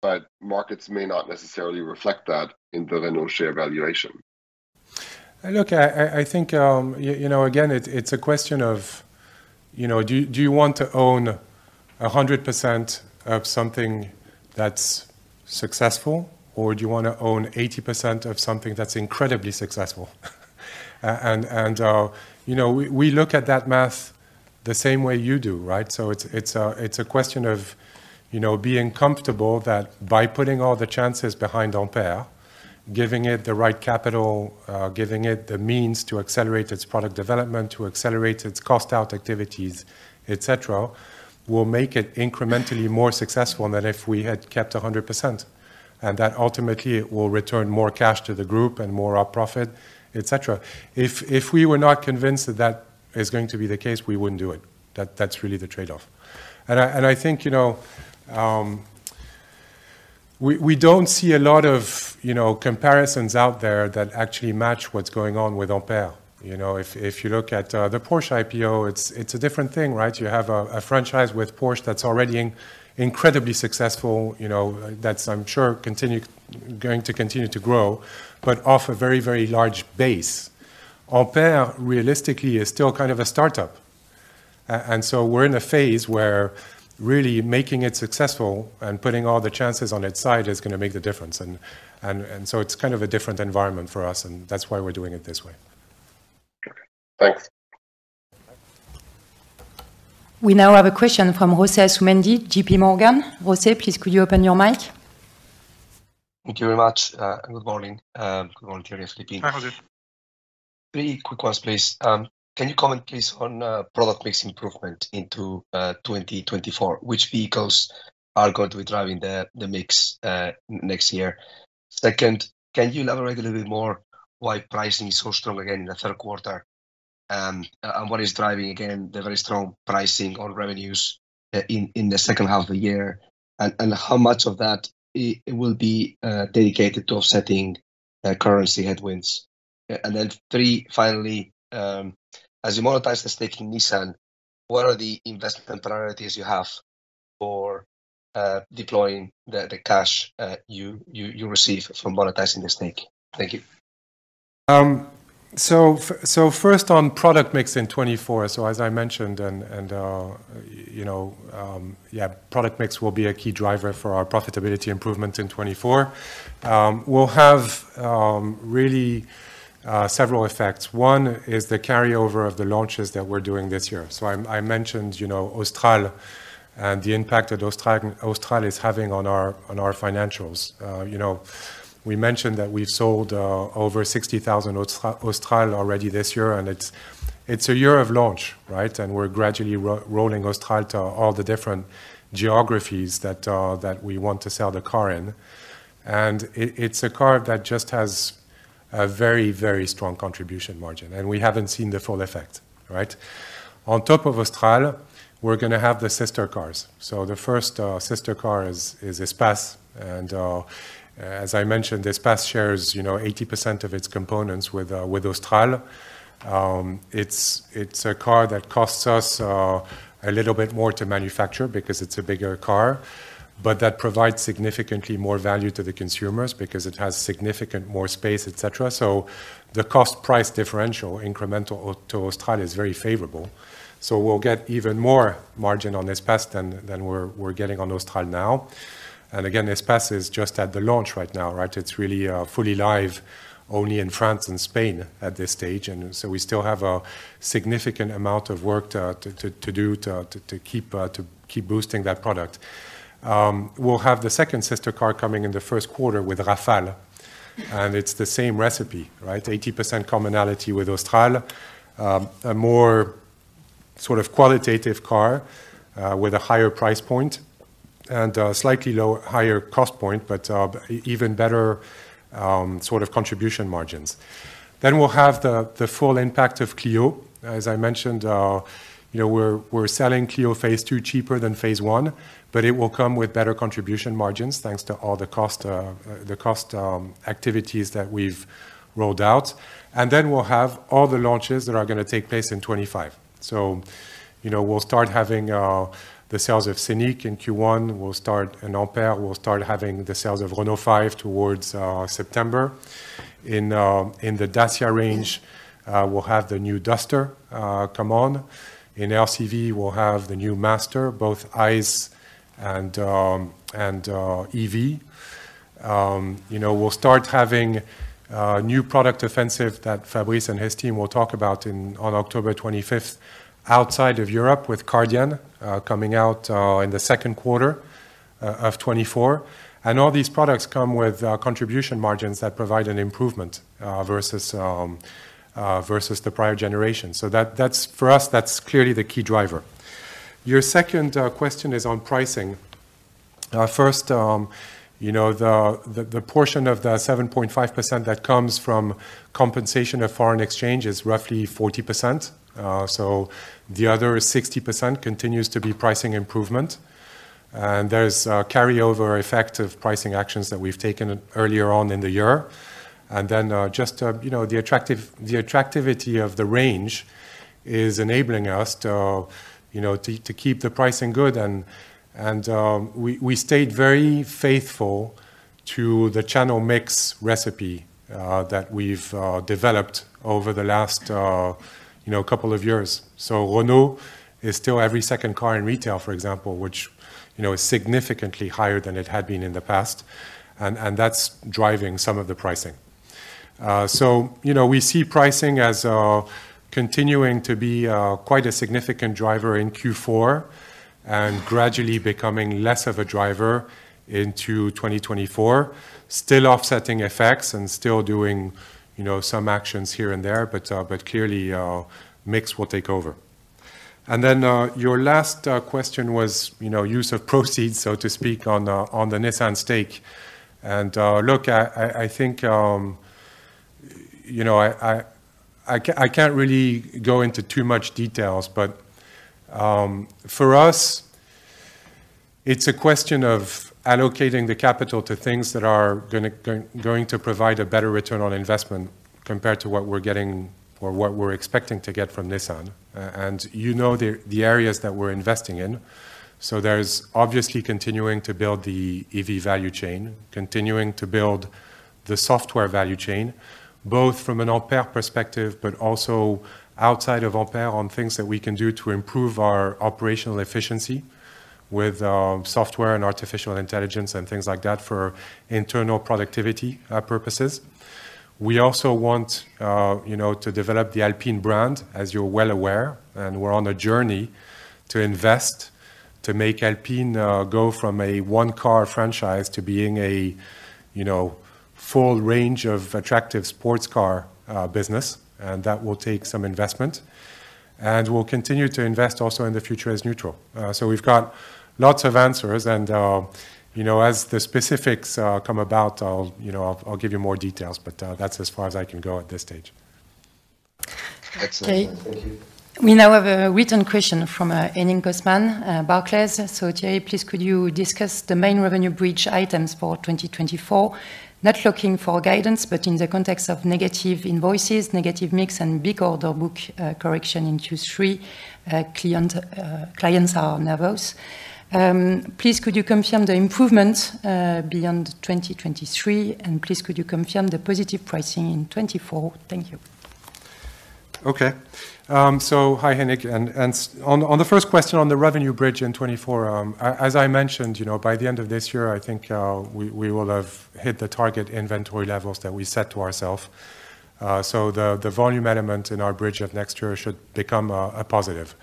Speaker 6: but markets may not necessarily reflect that in the Renault share valuation.
Speaker 2: Look, I think, you know, again, it's a question of, you know, do you want to own 100% of something that's successful, or do you wanna own 80% of something that's incredibly successful? And, you know, we look at that math the same way you do, right? So it's a question of, you know, being comfortable that by putting all the chances behind Ampere, giving it the right capital, giving it the means to accelerate its product development, to accelerate its cost-out activities, et cetera, will make it incrementally more successful than if we had kept 100%. And that ultimately, it will return more cash to the group and more up profit, et cetera. If we were not convinced that that is going to be the case, we wouldn't do it. That's really the trade-off. And I think, you know, we don't see a lot of, you know, comparisons out there that actually match what's going on with Ampere. You know, if you look at the Porsche IPO, it's a different thing, right? You have a franchise with Porsche that's already incredibly successful, you know, that's I'm sure going to continue to grow, but off a very, very large base. Ampere, realistically, is still kind of a start-up. And so we're in a phase where really making it successful and putting all the chances on its side is gonna make the difference. So it's kind of a different environment for us, and that's why we're doing it this way.
Speaker 6: Thanks.
Speaker 1: We now have a question from Jose Asumendi, JP Morgan. Jose, please, could you open your mic?
Speaker 8: Thank you very much, good morning. Good morning, Thierry and speaking-
Speaker 2: Hi, Jose.
Speaker 8: Three quick ones, please. Can you comment, please, on product mix improvement into 2024? Which vehicles are going to be driving the mix next year? Second, can you elaborate a little bit more why pricing is so strong again in the third quarter and what is driving again the very strong pricing on revenues in the second half of the year, and how much of that it will be dedicated to offsetting currency headwinds? And then three, finally, as you monetize the stake in Nissan, what are the investment priorities you have for deploying the cash you receive from monetizing the stake? Thank you....
Speaker 2: So first on product mix in 2024. So as I mentioned, you know, product mix will be a key driver for our profitability improvement in 2024. We'll have really several effects. One is the carryover of the launches that we're doing this year. So I mentioned, you know, Austral and the impact that Austral is having on our financials. You know, we mentioned that we've sold over 60,000 Austral already this year, and it's a year of launch, right? And we're gradually rolling Austral to all the different geographies that we want to sell the car in. And it's a car that just has a very, very strong contribution margin, and we haven't seen the full effect, right? On top of Austral, we're going to have the sister cars. So the first sister car is Espace, and as I mentioned, Espace shares, you know, 80% of its components with Austral. It's a car that costs us a little bit more to manufacture because it's a bigger car, but that provides significantly more value to the consumers because it has significant more space, et cetera. So the cost-price differential incremental to Austral is very favorable. So we'll get even more margin on Espace than we're getting on Austral now. And again, Espace is just at the launch right now, right? It's really fully live only in France and Spain at this stage, and so we still have a significant amount of work to keep boosting that product. We'll have the second sister car coming in the first quarter with Rafale, and it's the same recipe, right? 80% commonality with Austral. A more sort of qualitative car, with a higher price point and a slightly low... Higher cost point, but, even better, sort of contribution margins. Then we'll have the full impact of Clio. As I mentioned, you know, we're selling Clio Phase Two cheaper than Phase One, but it will come with better contribution margins, thanks to all the cost activities that we've rolled out. And then we'll have all the launches that are going to take place in 2025. So, you know, we'll start having the sales of Scenic in Q1. We'll start, in Ampere, we'll start having the sales of Renault 5 towards September. In the Dacia range, we'll have the new Duster come on. In LCV, we'll have the new Master, both ICE and EV. You know, we'll start having a new product offensive that Fabrice and his team will talk about on October 25, outside of Europe, with Kardian coming out in the second quarter of 2024. And all these products come with contribution margins that provide an improvement versus versus the prior generation. So that, that's, for us, that's clearly the key driver. Your second question is on pricing. First, you know, the, the, the portion of the 7.5% that comes from compensation of foreign exchange is roughly 40%, so the other 60% continues to be pricing improvement. There's a carryover effect of pricing actions that we've taken earlier on in the year. Then, just, you know, the attractive, the attractivity of the range is enabling us to, you know, to, to keep the pricing good, and, and, we, we stayed very faithful to the channel mix recipe, that we've, developed over the last, you know, couple of years. Renault is still every second car in retail, for example, which, you know, is significantly higher than it had been in the past, and, and that's driving some of the pricing. So, you know, we see pricing as, continuing to be, quite a significant driver in Q4, and gradually becoming less of a driver into 2024. Still offsetting effects and still doing, you know, some actions here and there, but clearly, mix will take over. And then, your last question was, you know, use of proceeds, so to speak, on the Nissan stake. And, look, I think, you know, I can't really go into too much details, but for us, it's a question of allocating the capital to things that are going to provide a better return on investment compared to what we're getting or what we're expecting to get from Nissan. And you know, the areas that we're investing in, so there's obviously continuing to build the EV value chain, continuing to build the software value chain, both from an Ampere perspective, but also outside of Ampere on things that we can do to improve our operational efficiency with software and artificial intelligence and things like that for internal productivity purposes. We also want, you know, to develop the Alpine brand, as you're well aware, and we're on a journey to invest to make Alpine go from a one-car franchise to being a, you know, full range of attractive sports car business, and that will take some investment. And we'll continue to invest also in the future as neutral. So we've got lots of answers, and, you know, as the specifics come about, I'll, you know, I'll, I'll give you more details, but, that's as far as I can go at this stage.
Speaker 4: Excellent. Thank you.
Speaker 1: We now have a written question from Henning Cosman, Barclays. So Thierry, please, could you discuss the main revenue bridge items for 2024? Not looking for guidance, but in the context of negative invoices, negative mix, and big order book correction in Q3, clients are nervous. Please, could you confirm the improvement beyond 2023, and please, could you confirm the positive pricing in 2024? Thank you.
Speaker 9: Okay. So hi, Henrik. And so, on the first question on the revenue bridge in 2024, as I mentioned, you know, by the end of this year, I think, we will have hit the target inventory levels that we set to ourselves. So the volume element in our bridge of next year should become a positive.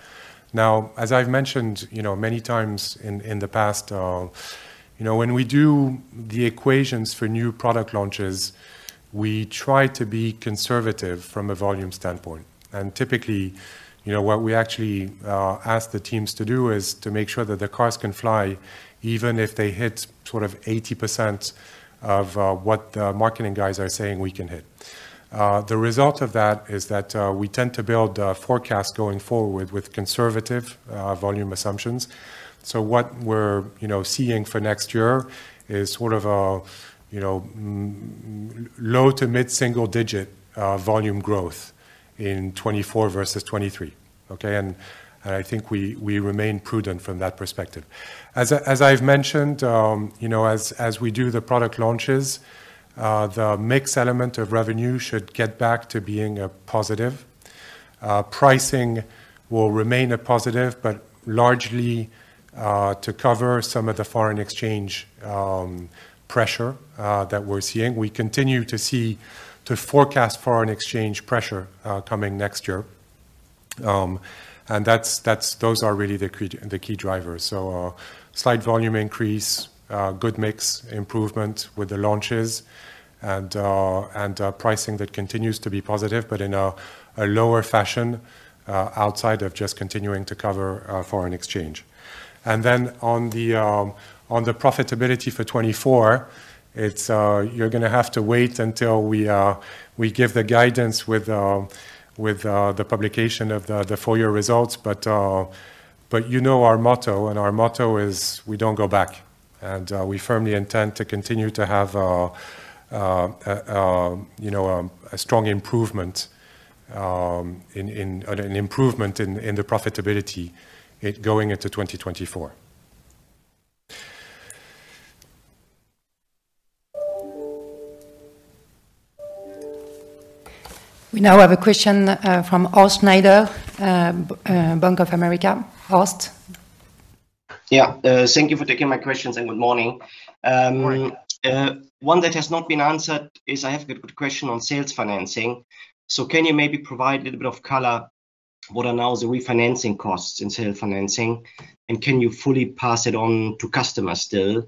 Speaker 9: Now, as I've mentioned, you know, many times in the past, you know, when we do the equations for new product launches, we try to be conservative from a volume standpoint. And typically, you know, what we actually ask the teams to do is to make sure that the cars can fly, even if they hit sort of 80% of what the marketing guys are saying we can hit. The result of that is that we tend to build forecasts going forward with conservative volume assumptions. So what we're, you know, seeing for next year is sort of a, you know, low- to mid-single-digit volume growth in 2024 versus 2023. Okay? And I think we remain prudent from that perspective. As I've mentioned, you know, as we do the product launches, the mix element of revenue should get back to being a positive. Pricing will remain a positive, but largely to cover some of the foreign exchange pressure that we're seeing. We continue to see... to forecast foreign exchange pressure coming next year. And that's, that's—those are really the key, the key drivers. So, slight volume increase, a good mix improvement with the launches and, and, pricing that continues to be positive, but in a lower fashion, outside of just continuing to cover foreign exchange. And then on the profitability for 2024, it's you're going to have to wait until we give the guidance with the publication of the full year results. But you know our motto, and our motto is, "We don't go back." And we firmly intend to continue to have a you know a strong improvement in an improvement in the profitability going into 2024.
Speaker 1: We now have a question from Horst Schneider, Bank of America. Horst?
Speaker 10: Yeah, thank you for taking my questions, and good morning.
Speaker 2: Good morning.
Speaker 10: One that has not been answered is I have a good question on sales financing. So can you maybe provide a little bit of color, what are now the refinancing costs in sales financing? And can you fully pass it on to customers still,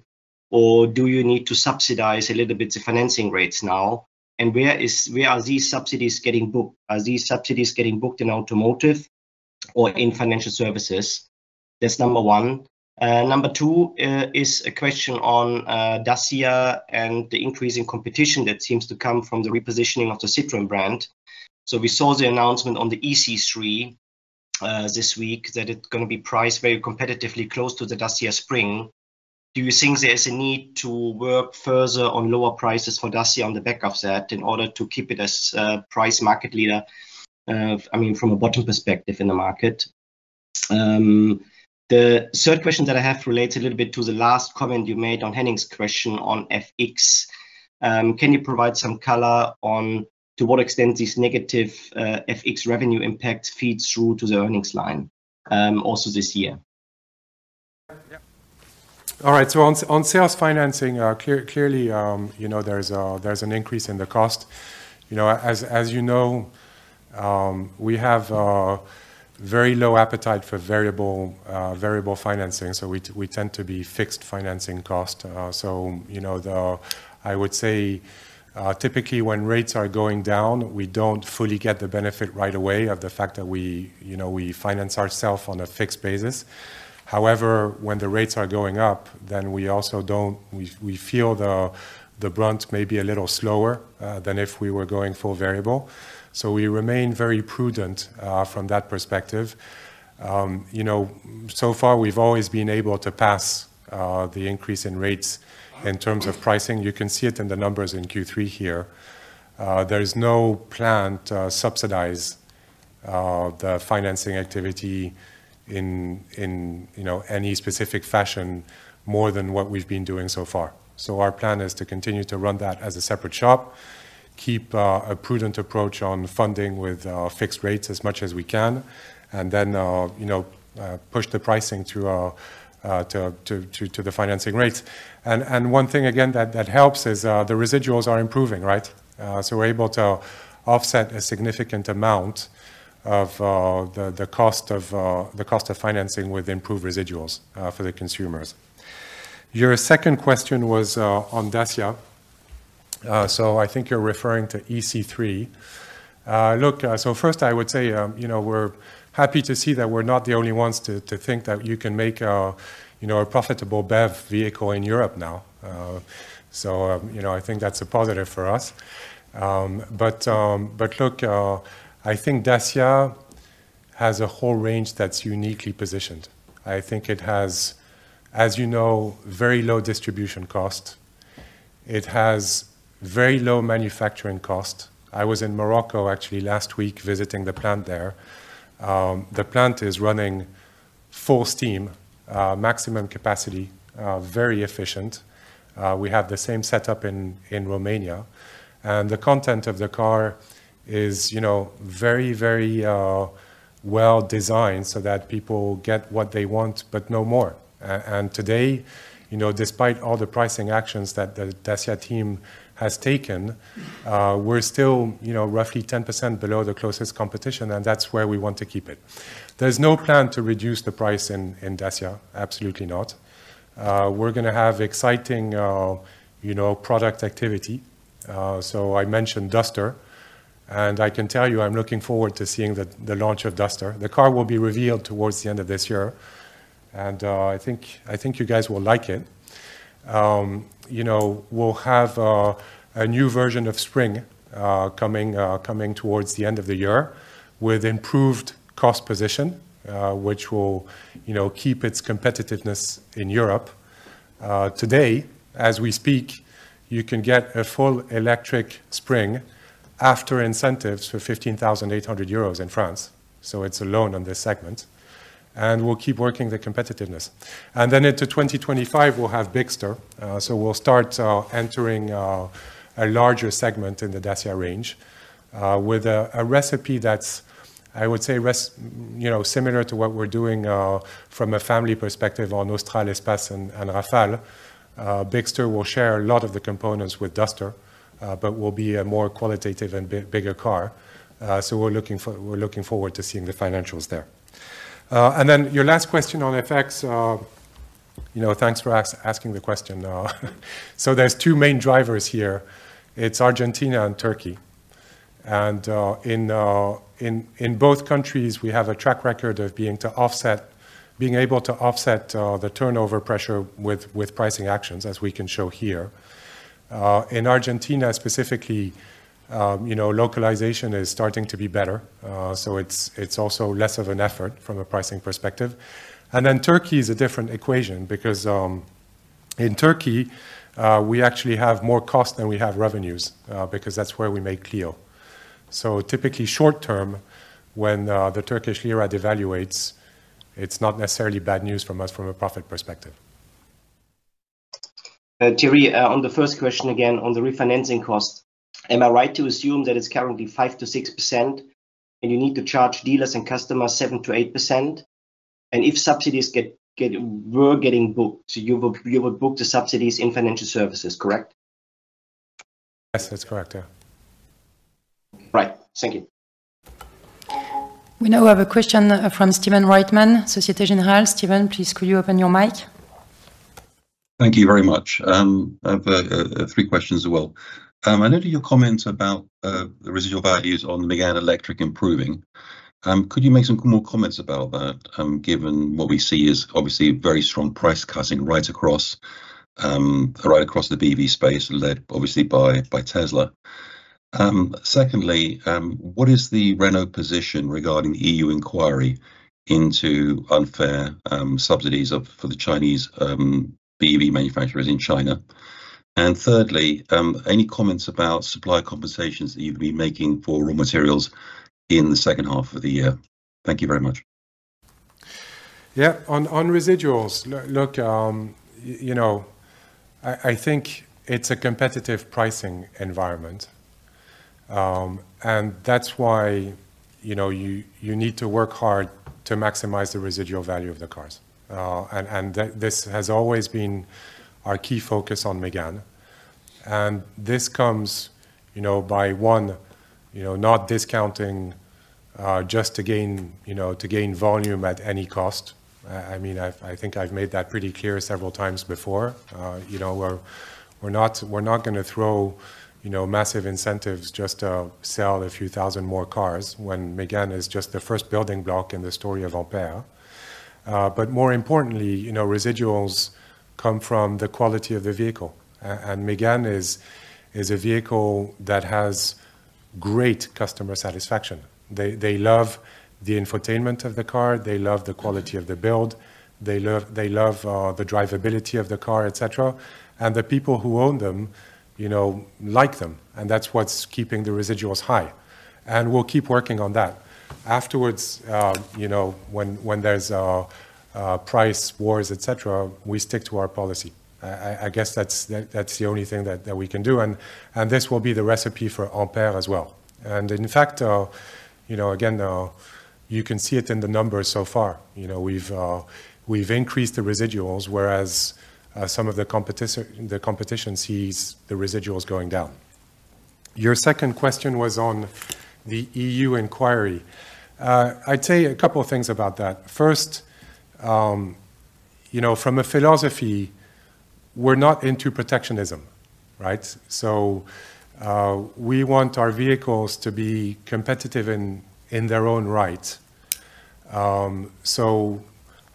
Speaker 10: or do you need to subsidize a little bit the financing rates now? And where are these subsidies getting booked? Are these subsidies getting booked in automotive or in financial services? That's number one. Number two is a question on Dacia and the increasing competition that seems to come from the repositioning of the Citroën brand. So we saw the announcement on the ë-C3 this week, that it's going to be priced very competitively close to the Dacia Spring. Do you think there is a need to work further on lower prices for Dacia on the back of that in order to keep it as a price market leader, I mean, from a bottom perspective in the market? The third question that I have relates a little bit to the last comment you made on Henning's question on FX. Can you provide some color on to what extent this negative FX revenue impact feeds through to the earnings line, also this year?
Speaker 2: Yeah. All right. So on sales financing, clearly, you know, there's an increase in the cost. You know, as you know, we have a very low appetite for variable financing, so we tend to be fixed financing cost. So you know, I would say, typically when rates are going down, we don't fully get the benefit right away of the fact that we, you know, we finance ourself on a fixed basis. However, when the rates are going up, then we also don't... We feel the brunt may be a little slower than if we were going full variable. So we remain very prudent from that perspective. You know, so far we've always been able to pass the increase in rates in terms of pricing. You can see it in the numbers in Q3 here. There is no plan to subsidize the financing activity in, in, you know, any specific fashion more than what we've been doing so far. So our plan is to continue to run that as a separate shop, keep a prudent approach on funding with fixed rates as much as we can, and then, you know, push the pricing through to the financing rates. And one thing again, that helps is the residuals are improving, right? So we're able to offset a significant amount of the cost of financing with improved residuals for the consumers. Your second question was on Dacia. So I think you're referring to EC3. Look, so first I would say, you know, we're happy to see that we're not the only ones to think that you can make a, you know, a profitable BEV vehicle in Europe now. So, you know, I think that's a positive for us. But look, I think Dacia has a whole range that's uniquely positioned. I think it has, as you know, very low distribution cost. It has very low manufacturing cost. I was in Morocco actually last week, visiting the plant there. The plant is running full steam, maximum capacity, very efficient. We have the same setup in Romania, and the content of the car is, you know, very, very well-designed so that people get what they want, but no more. Today, you know, despite all the pricing actions that the Dacia team has taken, we're still, you know, roughly 10% below the closest competition, and that's where we want to keep it. There's no plan to reduce the price in Dacia, absolutely not. We're going to have exciting, you know, product activity. So I mentioned Duster, and I can tell you, I'm looking forward to seeing the launch of Duster. The car will be revealed towards the end of this year, and I think you guys will like it. You know, we'll have a new version of Spring coming towards the end of the year with improved cost position, which will, you know, keep its competitiveness in Europe. Today, as we speak, you can get a full electric Spring after incentives for 15,800 euros in France, so it's alone on this segment. And we'll keep working the competitiveness. And then into 2025, we'll have Bigster. So we'll start entering a larger segment in the Dacia range with a recipe that's, I would say, you know, similar to what we're doing from a family perspective on Austral, Espace, and Rafale. Bigster will share a lot of the components with Duster but will be a more qualitative and bigger car. So we're looking for... We're looking forward to seeing the financials there. And then your last question on FX, you know, thanks for asking the question. So there's two main drivers here. It's Argentina and Turkey. In both countries, we have a track record of being able to offset the turnover pressure with pricing actions, as we can show here. In Argentina, specifically, you know, localization is starting to be better, so it's also less of an effort from a pricing perspective. And then Turkey is a different equation because in Turkey, we actually have more cost than we have revenues, because that's where we make Clio. So typically short term, when the Turkish lira devalues, it's not necessarily bad news from us from a profit perspective.
Speaker 10: Thierry, on the first question, again, on the refinancing cost, am I right to assume that it's currently 5%-6%, and you need to charge dealers and customers 7%-8%? And if subsidies were getting booked, you would book the subsidies in financial services, correct?
Speaker 2: Yes, that's correct. Yeah.
Speaker 10: Right. Thank you.
Speaker 1: We now have a question from Stephen Reitman, Société Générale. Stephen, please, could you open your mic?
Speaker 7: Thank you very much. I've three questions as well. I noted your comments about the residual values on Mégane Electric improving. Could you make some more comments about that, given what we see is obviously very strong price cutting right across, right across the BEV space, led obviously by, by Tesla? Secondly, what is the Renault position regarding the EU inquiry into unfair subsidies for the Chinese BEV manufacturers in China? And thirdly, any comments about supplier conversations that you've been making for raw materials in the second half of the year? Thank you very much.
Speaker 2: Yeah. On residuals, look, you know, I think it's a competitive pricing environment. And that's why, you know, you need to work hard to maximize the residual value of the cars. And this has always been our key focus on Mégane. And this comes, you know, by one, you know, not discounting just to gain volume at any cost. I mean, I think I've made that pretty clear several times before. You know, we're not going to throw massive incentives just to sell a few thousand more cars when Mégane is just the first building block in the story of Ampere. But more importantly, you know, residuals come from the quality of the vehicle, and Mégane is a vehicle that has great customer satisfaction. They, they love the infotainment of the car, they love the quality of the build, they love, they love, the drivability of the car, et cetera. And the people who own them, you know, like them, and that's what's keeping the residuals high. And we'll keep working on that. Afterwards, you know, when, when there's, price wars, et cetera, we stick to our policy. I guess that's the only thing that we can do, and this will be the recipe for Ampere as well. And in fact, you know, again, you can see it in the numbers so far. You know, we've, we've increased the residuals, whereas, some of the competitio- the competition sees the residuals going down. Your second question was on the EU inquiry. I'd tell you a couple of things about that. First, you know, from a philosophy, we're not into protectionism, right? So, we want our vehicles to be competitive in, in their own right. So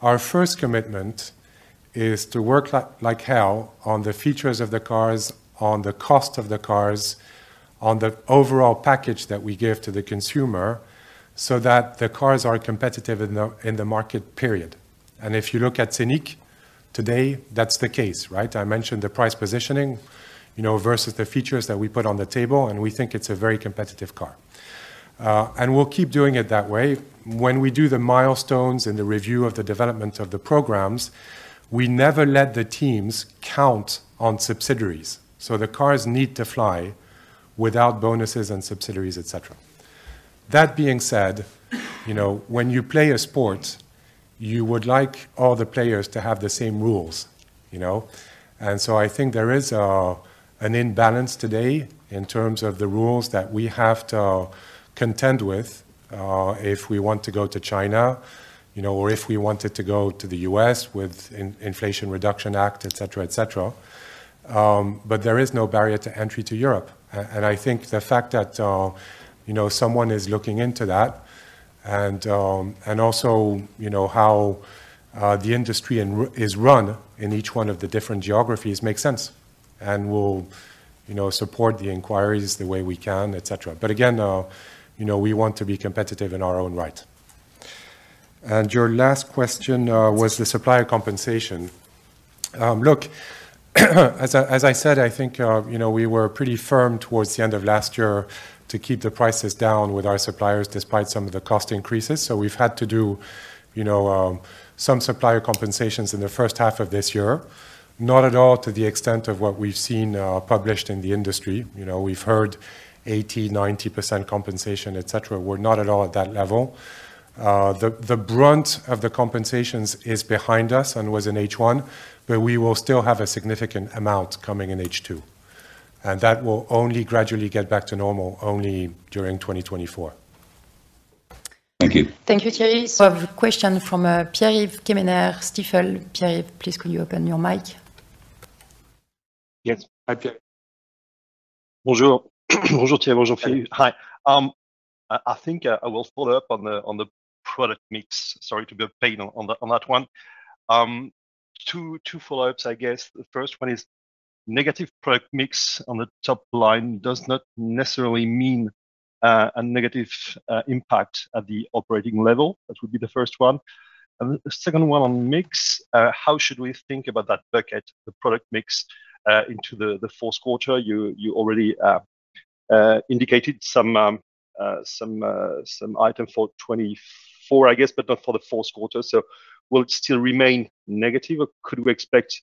Speaker 2: our first commitment is to work like hell on the features of the cars, on the cost of the cars, on the overall package that we give to the consumer, so that the cars are competitive in the, in the market, period. And if you look at Scenic today, that's the case, right? I mentioned the price positioning, you know, versus the features that we put on the table, and we think it's a very competitive car. And we'll keep doing it that way. When we do the milestones and the review of the development of the programs, we never let the teams count on subsidies. So the cars need to fly without bonuses and subsidies, et cetera. That being said, you know, when you play a sport, you would like all the players to have the same rules, you know? And so I think there is an imbalance today in terms of the rules that we have to contend with, if we want to go to China, you know, or if we wanted to go to the U.S. with the Inflation Reduction Act, et cetera, et cetera. But there is no barrier to entry to Europe. And I think the fact that, you know, someone is looking into that, and also, you know, how the industry is run in each one of the different geographies makes sense. And we'll, you know, support the inquiries the way we can, et cetera. But again, you know, we want to be competitive in our own right. Your last question was the supplier compensation. Look, as I said, I think, you know, we were pretty firm towards the end of last year to keep the prices down with our suppliers, despite some of the cost increases. So we've had to do, you know, some supplier compensations in the first half of this year. Not at all to the extent of what we've seen, published in the industry. You know, we've heard 80%, 90% compensation, et cetera. We're not at all at that level. The brunt of the compensations is behind us and was in H1, but we will still have a significant amount coming in H2, and that will only gradually get back to normal only during 2024.
Speaker 7: Thank you.
Speaker 1: Thank you, Thierry. So I have a question from Pierre Quemener, Stifel. Pierre, please, could you open your mic?
Speaker 11: Yes. Hi, Pierre. Bonjour. Bonjour, Thierry. Bonjour, Pierre. Hi. I think I will follow up on the product mix. Sorry to be a pain on that one. Two follow-ups, I guess. The first one is, negative product mix on the top line does not necessarily mean a negative impact at the operating level? That would be the first one. And the second one on mix, how should we think about that bucket, the product mix, into the fourth quarter? You already indicated some item for 2024, I guess, but not for the fourth quarter. So will it still remain negative, or could we expect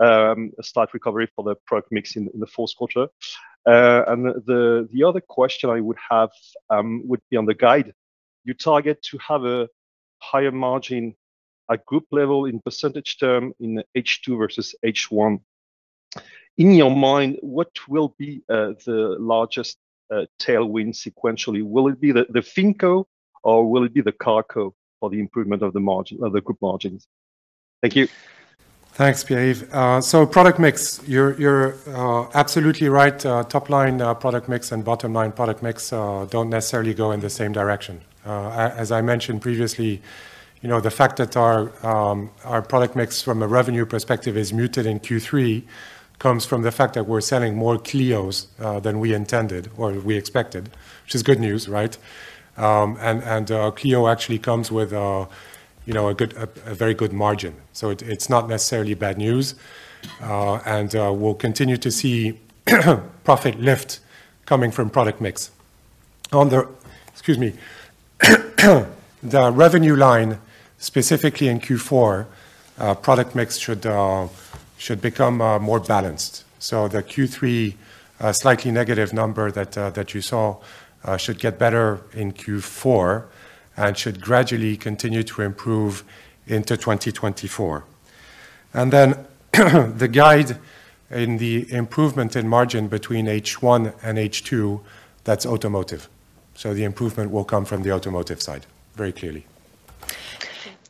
Speaker 11: a slight recovery for the company mix in the fourth quarter? And the other question I would have would be on the guide. You target to have a higher margin at group level in percentage term in H2 versus H1. In your mind, what will be the largest tailwind sequentially? Will it be the Finco or will it be the Carco for the improvement of the margin, of the group margins? Thank you.
Speaker 2: Thanks, Pierre. So product mix, you're absolutely right. Top line, product mix and bottom line product mix don't necessarily go in the same direction. As I mentioned previously, you know, the fact that our our product mix from a revenue perspective is muted in Q3 comes from the fact that we're selling more Clios than we intended or we expected, which is good news, right? And Clio actually comes with, you know, a good a very good margin, so it it's not necessarily bad news. And we'll continue to see profit lift coming from product mix. On the... Excuse me. The revenue line, specifically in Q4, product mix should should become more balanced. So the Q3 slightly negative number that you saw should get better in Q4 and should gradually continue to improve into 2024. And then, the guide in the improvement in margin between H1 and H2, that's automotive. So the improvement will come from the automotive side, very clearly.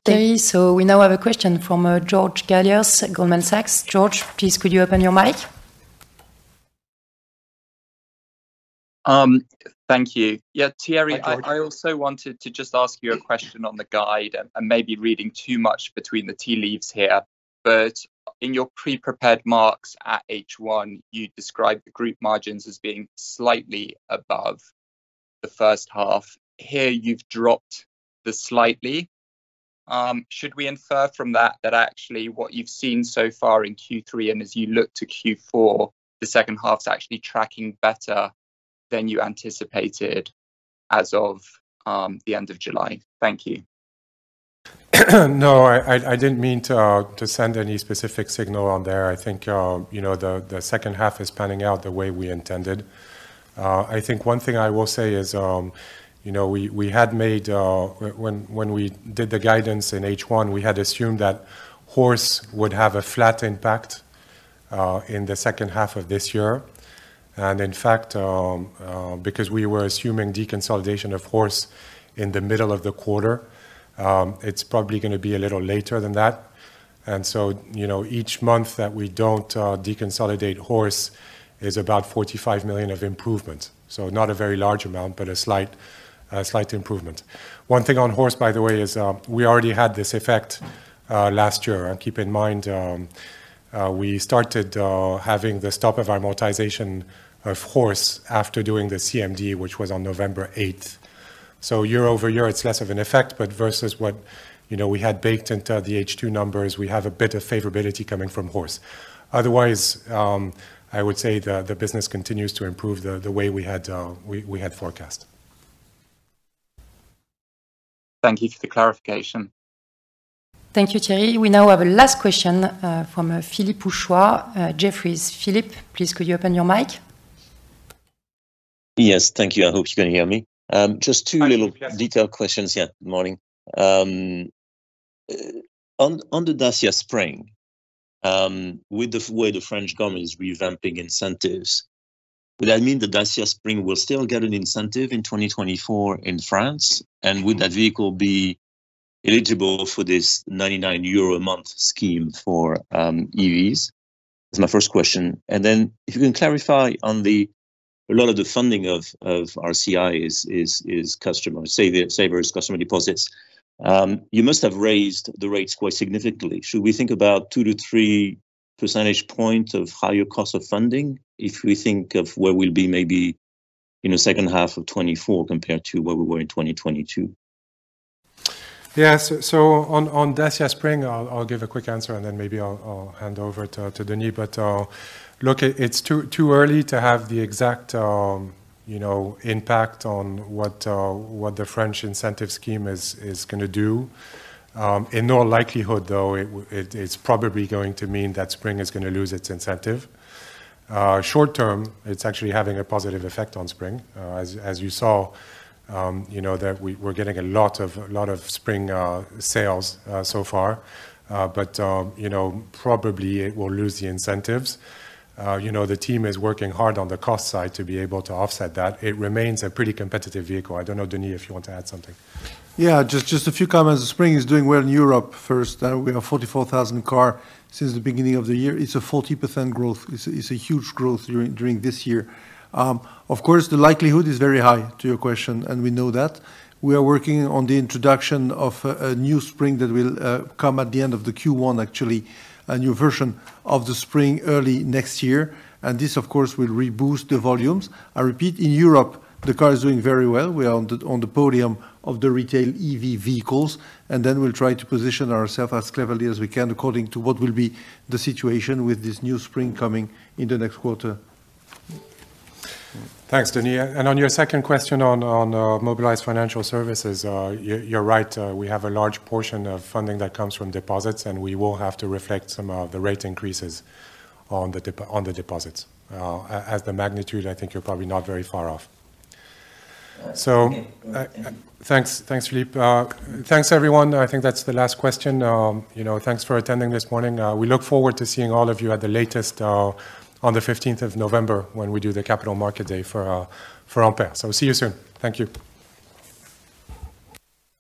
Speaker 1: Thank you. So we now have a question from George Galliers, Goldman Sachs. George, please, could you open your mic?
Speaker 12: Thank you. Yeah, Thierry-
Speaker 2: Hi, George....
Speaker 12: I also wanted to just ask you a question on the guide, and maybe reading too much between the tea leaves here. But in your pre-prepared remarks at H1, you described the group margins as being slightly above the first half. Here, you've dropped the slightly. Should we infer from that, that actually what you've seen so far in Q3, and as you look to Q4, the second half is actually tracking better than you anticipated as of the end of July? Thank you.
Speaker 2: No, I didn't mean to send any specific signal on there. I think, you know, the second half is panning out the way we intended. I think one thing I will say is, you know, we had made... When we did the guidance in H1, we had assumed that Horse would have a flat impact in the second half of this year. And in fact, because we were assuming deconsolidation of Horse in the middle of the quarter, it's probably gonna be a little later than that. And so, you know, each month that we don't deconsolidate Horse is about 45 million of improvement. So not a very large amount, but a slight improvement. One thing on Horse, by the way, is, we already had this effect last year. Keep in mind, we started having the stop of amortization of HORSE after doing the CMD, which was on November eighth. Year-over-year, it's less of an effect, but versus what, you know, we had baked into the H2 numbers, we have a bit of favorability coming from HORSE. Otherwise, I would say the business continues to improve the way we had forecast.
Speaker 12: Thank you for the clarification.
Speaker 1: Thank you, Thierry. We now have a last question from Philippe Houchois, Jefferies. Philippe, please, could you open your mic?
Speaker 13: Yes, thank you. I hope you can hear me. Just two little-
Speaker 1: I think, yes.
Speaker 13: -detail questions. Yeah, good morning. On the Dacia Spring, with the way the French government is revamping incentives, would that mean the Dacia Spring will still get an incentive in 2024 in France? And would that vehicle be eligible for this 99 euro a month scheme for EVs? That's my first question. And then, if you can clarify on the... A lot of the funding of RCI is customer savers, customer deposits. You must have raised the rates quite significantly. Should we think about 2-3 percentage points of higher cost of funding, if we think of where we'll be maybe in the second half of 2024 compared to where we were in 2022?
Speaker 2: Yeah. So on Dacia Spring, I'll give a quick answer, and then maybe I'll hand over to Denis. But look, it's too early to have the exact, you know, impact on what the French incentive scheme is gonna do. In all likelihood, though, it's probably going to mean that Spring is gonna lose its incentive. Short term, it's actually having a positive effect on Spring. As you saw, you know, that we're getting a lot of Spring sales so far. But you know, probably it will lose the incentives. You know, the team is working hard on the cost side to be able to offset that. It remains a pretty competitive vehicle. I don't know, Denis, if you want to add something.
Speaker 14: Yeah, just, just a few comments. The Spring is doing well in Europe, first. We have 44,000 cars since the beginning of the year. It's a 40% growth. It's a, it's a huge growth during, during this year. Of course, the likelihood is very high, to your question, and we know that. We are working on the introduction of a, a new Spring that will come at the end of the Q1, actually. A new version of the Spring early next year, and this, of course, will reboost the volumes. I repeat, in Europe, the car is doing very well. We are on the, on the podium of the retail EV vehicles, and then we'll try to position ourselves as cleverly as we can, according to what will be the situation with this new Spring coming in the next quarter.
Speaker 2: Thanks, Denis. On your second question on Mobilize Financial Services, you're right, we have a large portion of funding that comes from deposits, and we will have to reflect some of the rate increases on the deposits. As the magnitude, I think you're probably not very far off.
Speaker 13: Okay.
Speaker 2: So, thanks. Thanks, Philippe. Thanks, everyone. I think that's the last question. You know, thanks for attending this morning. We look forward to seeing all of you at the latest on the fifteenth of November, when we do the Capital Market Day for Ampere. So see you soon. Thank you.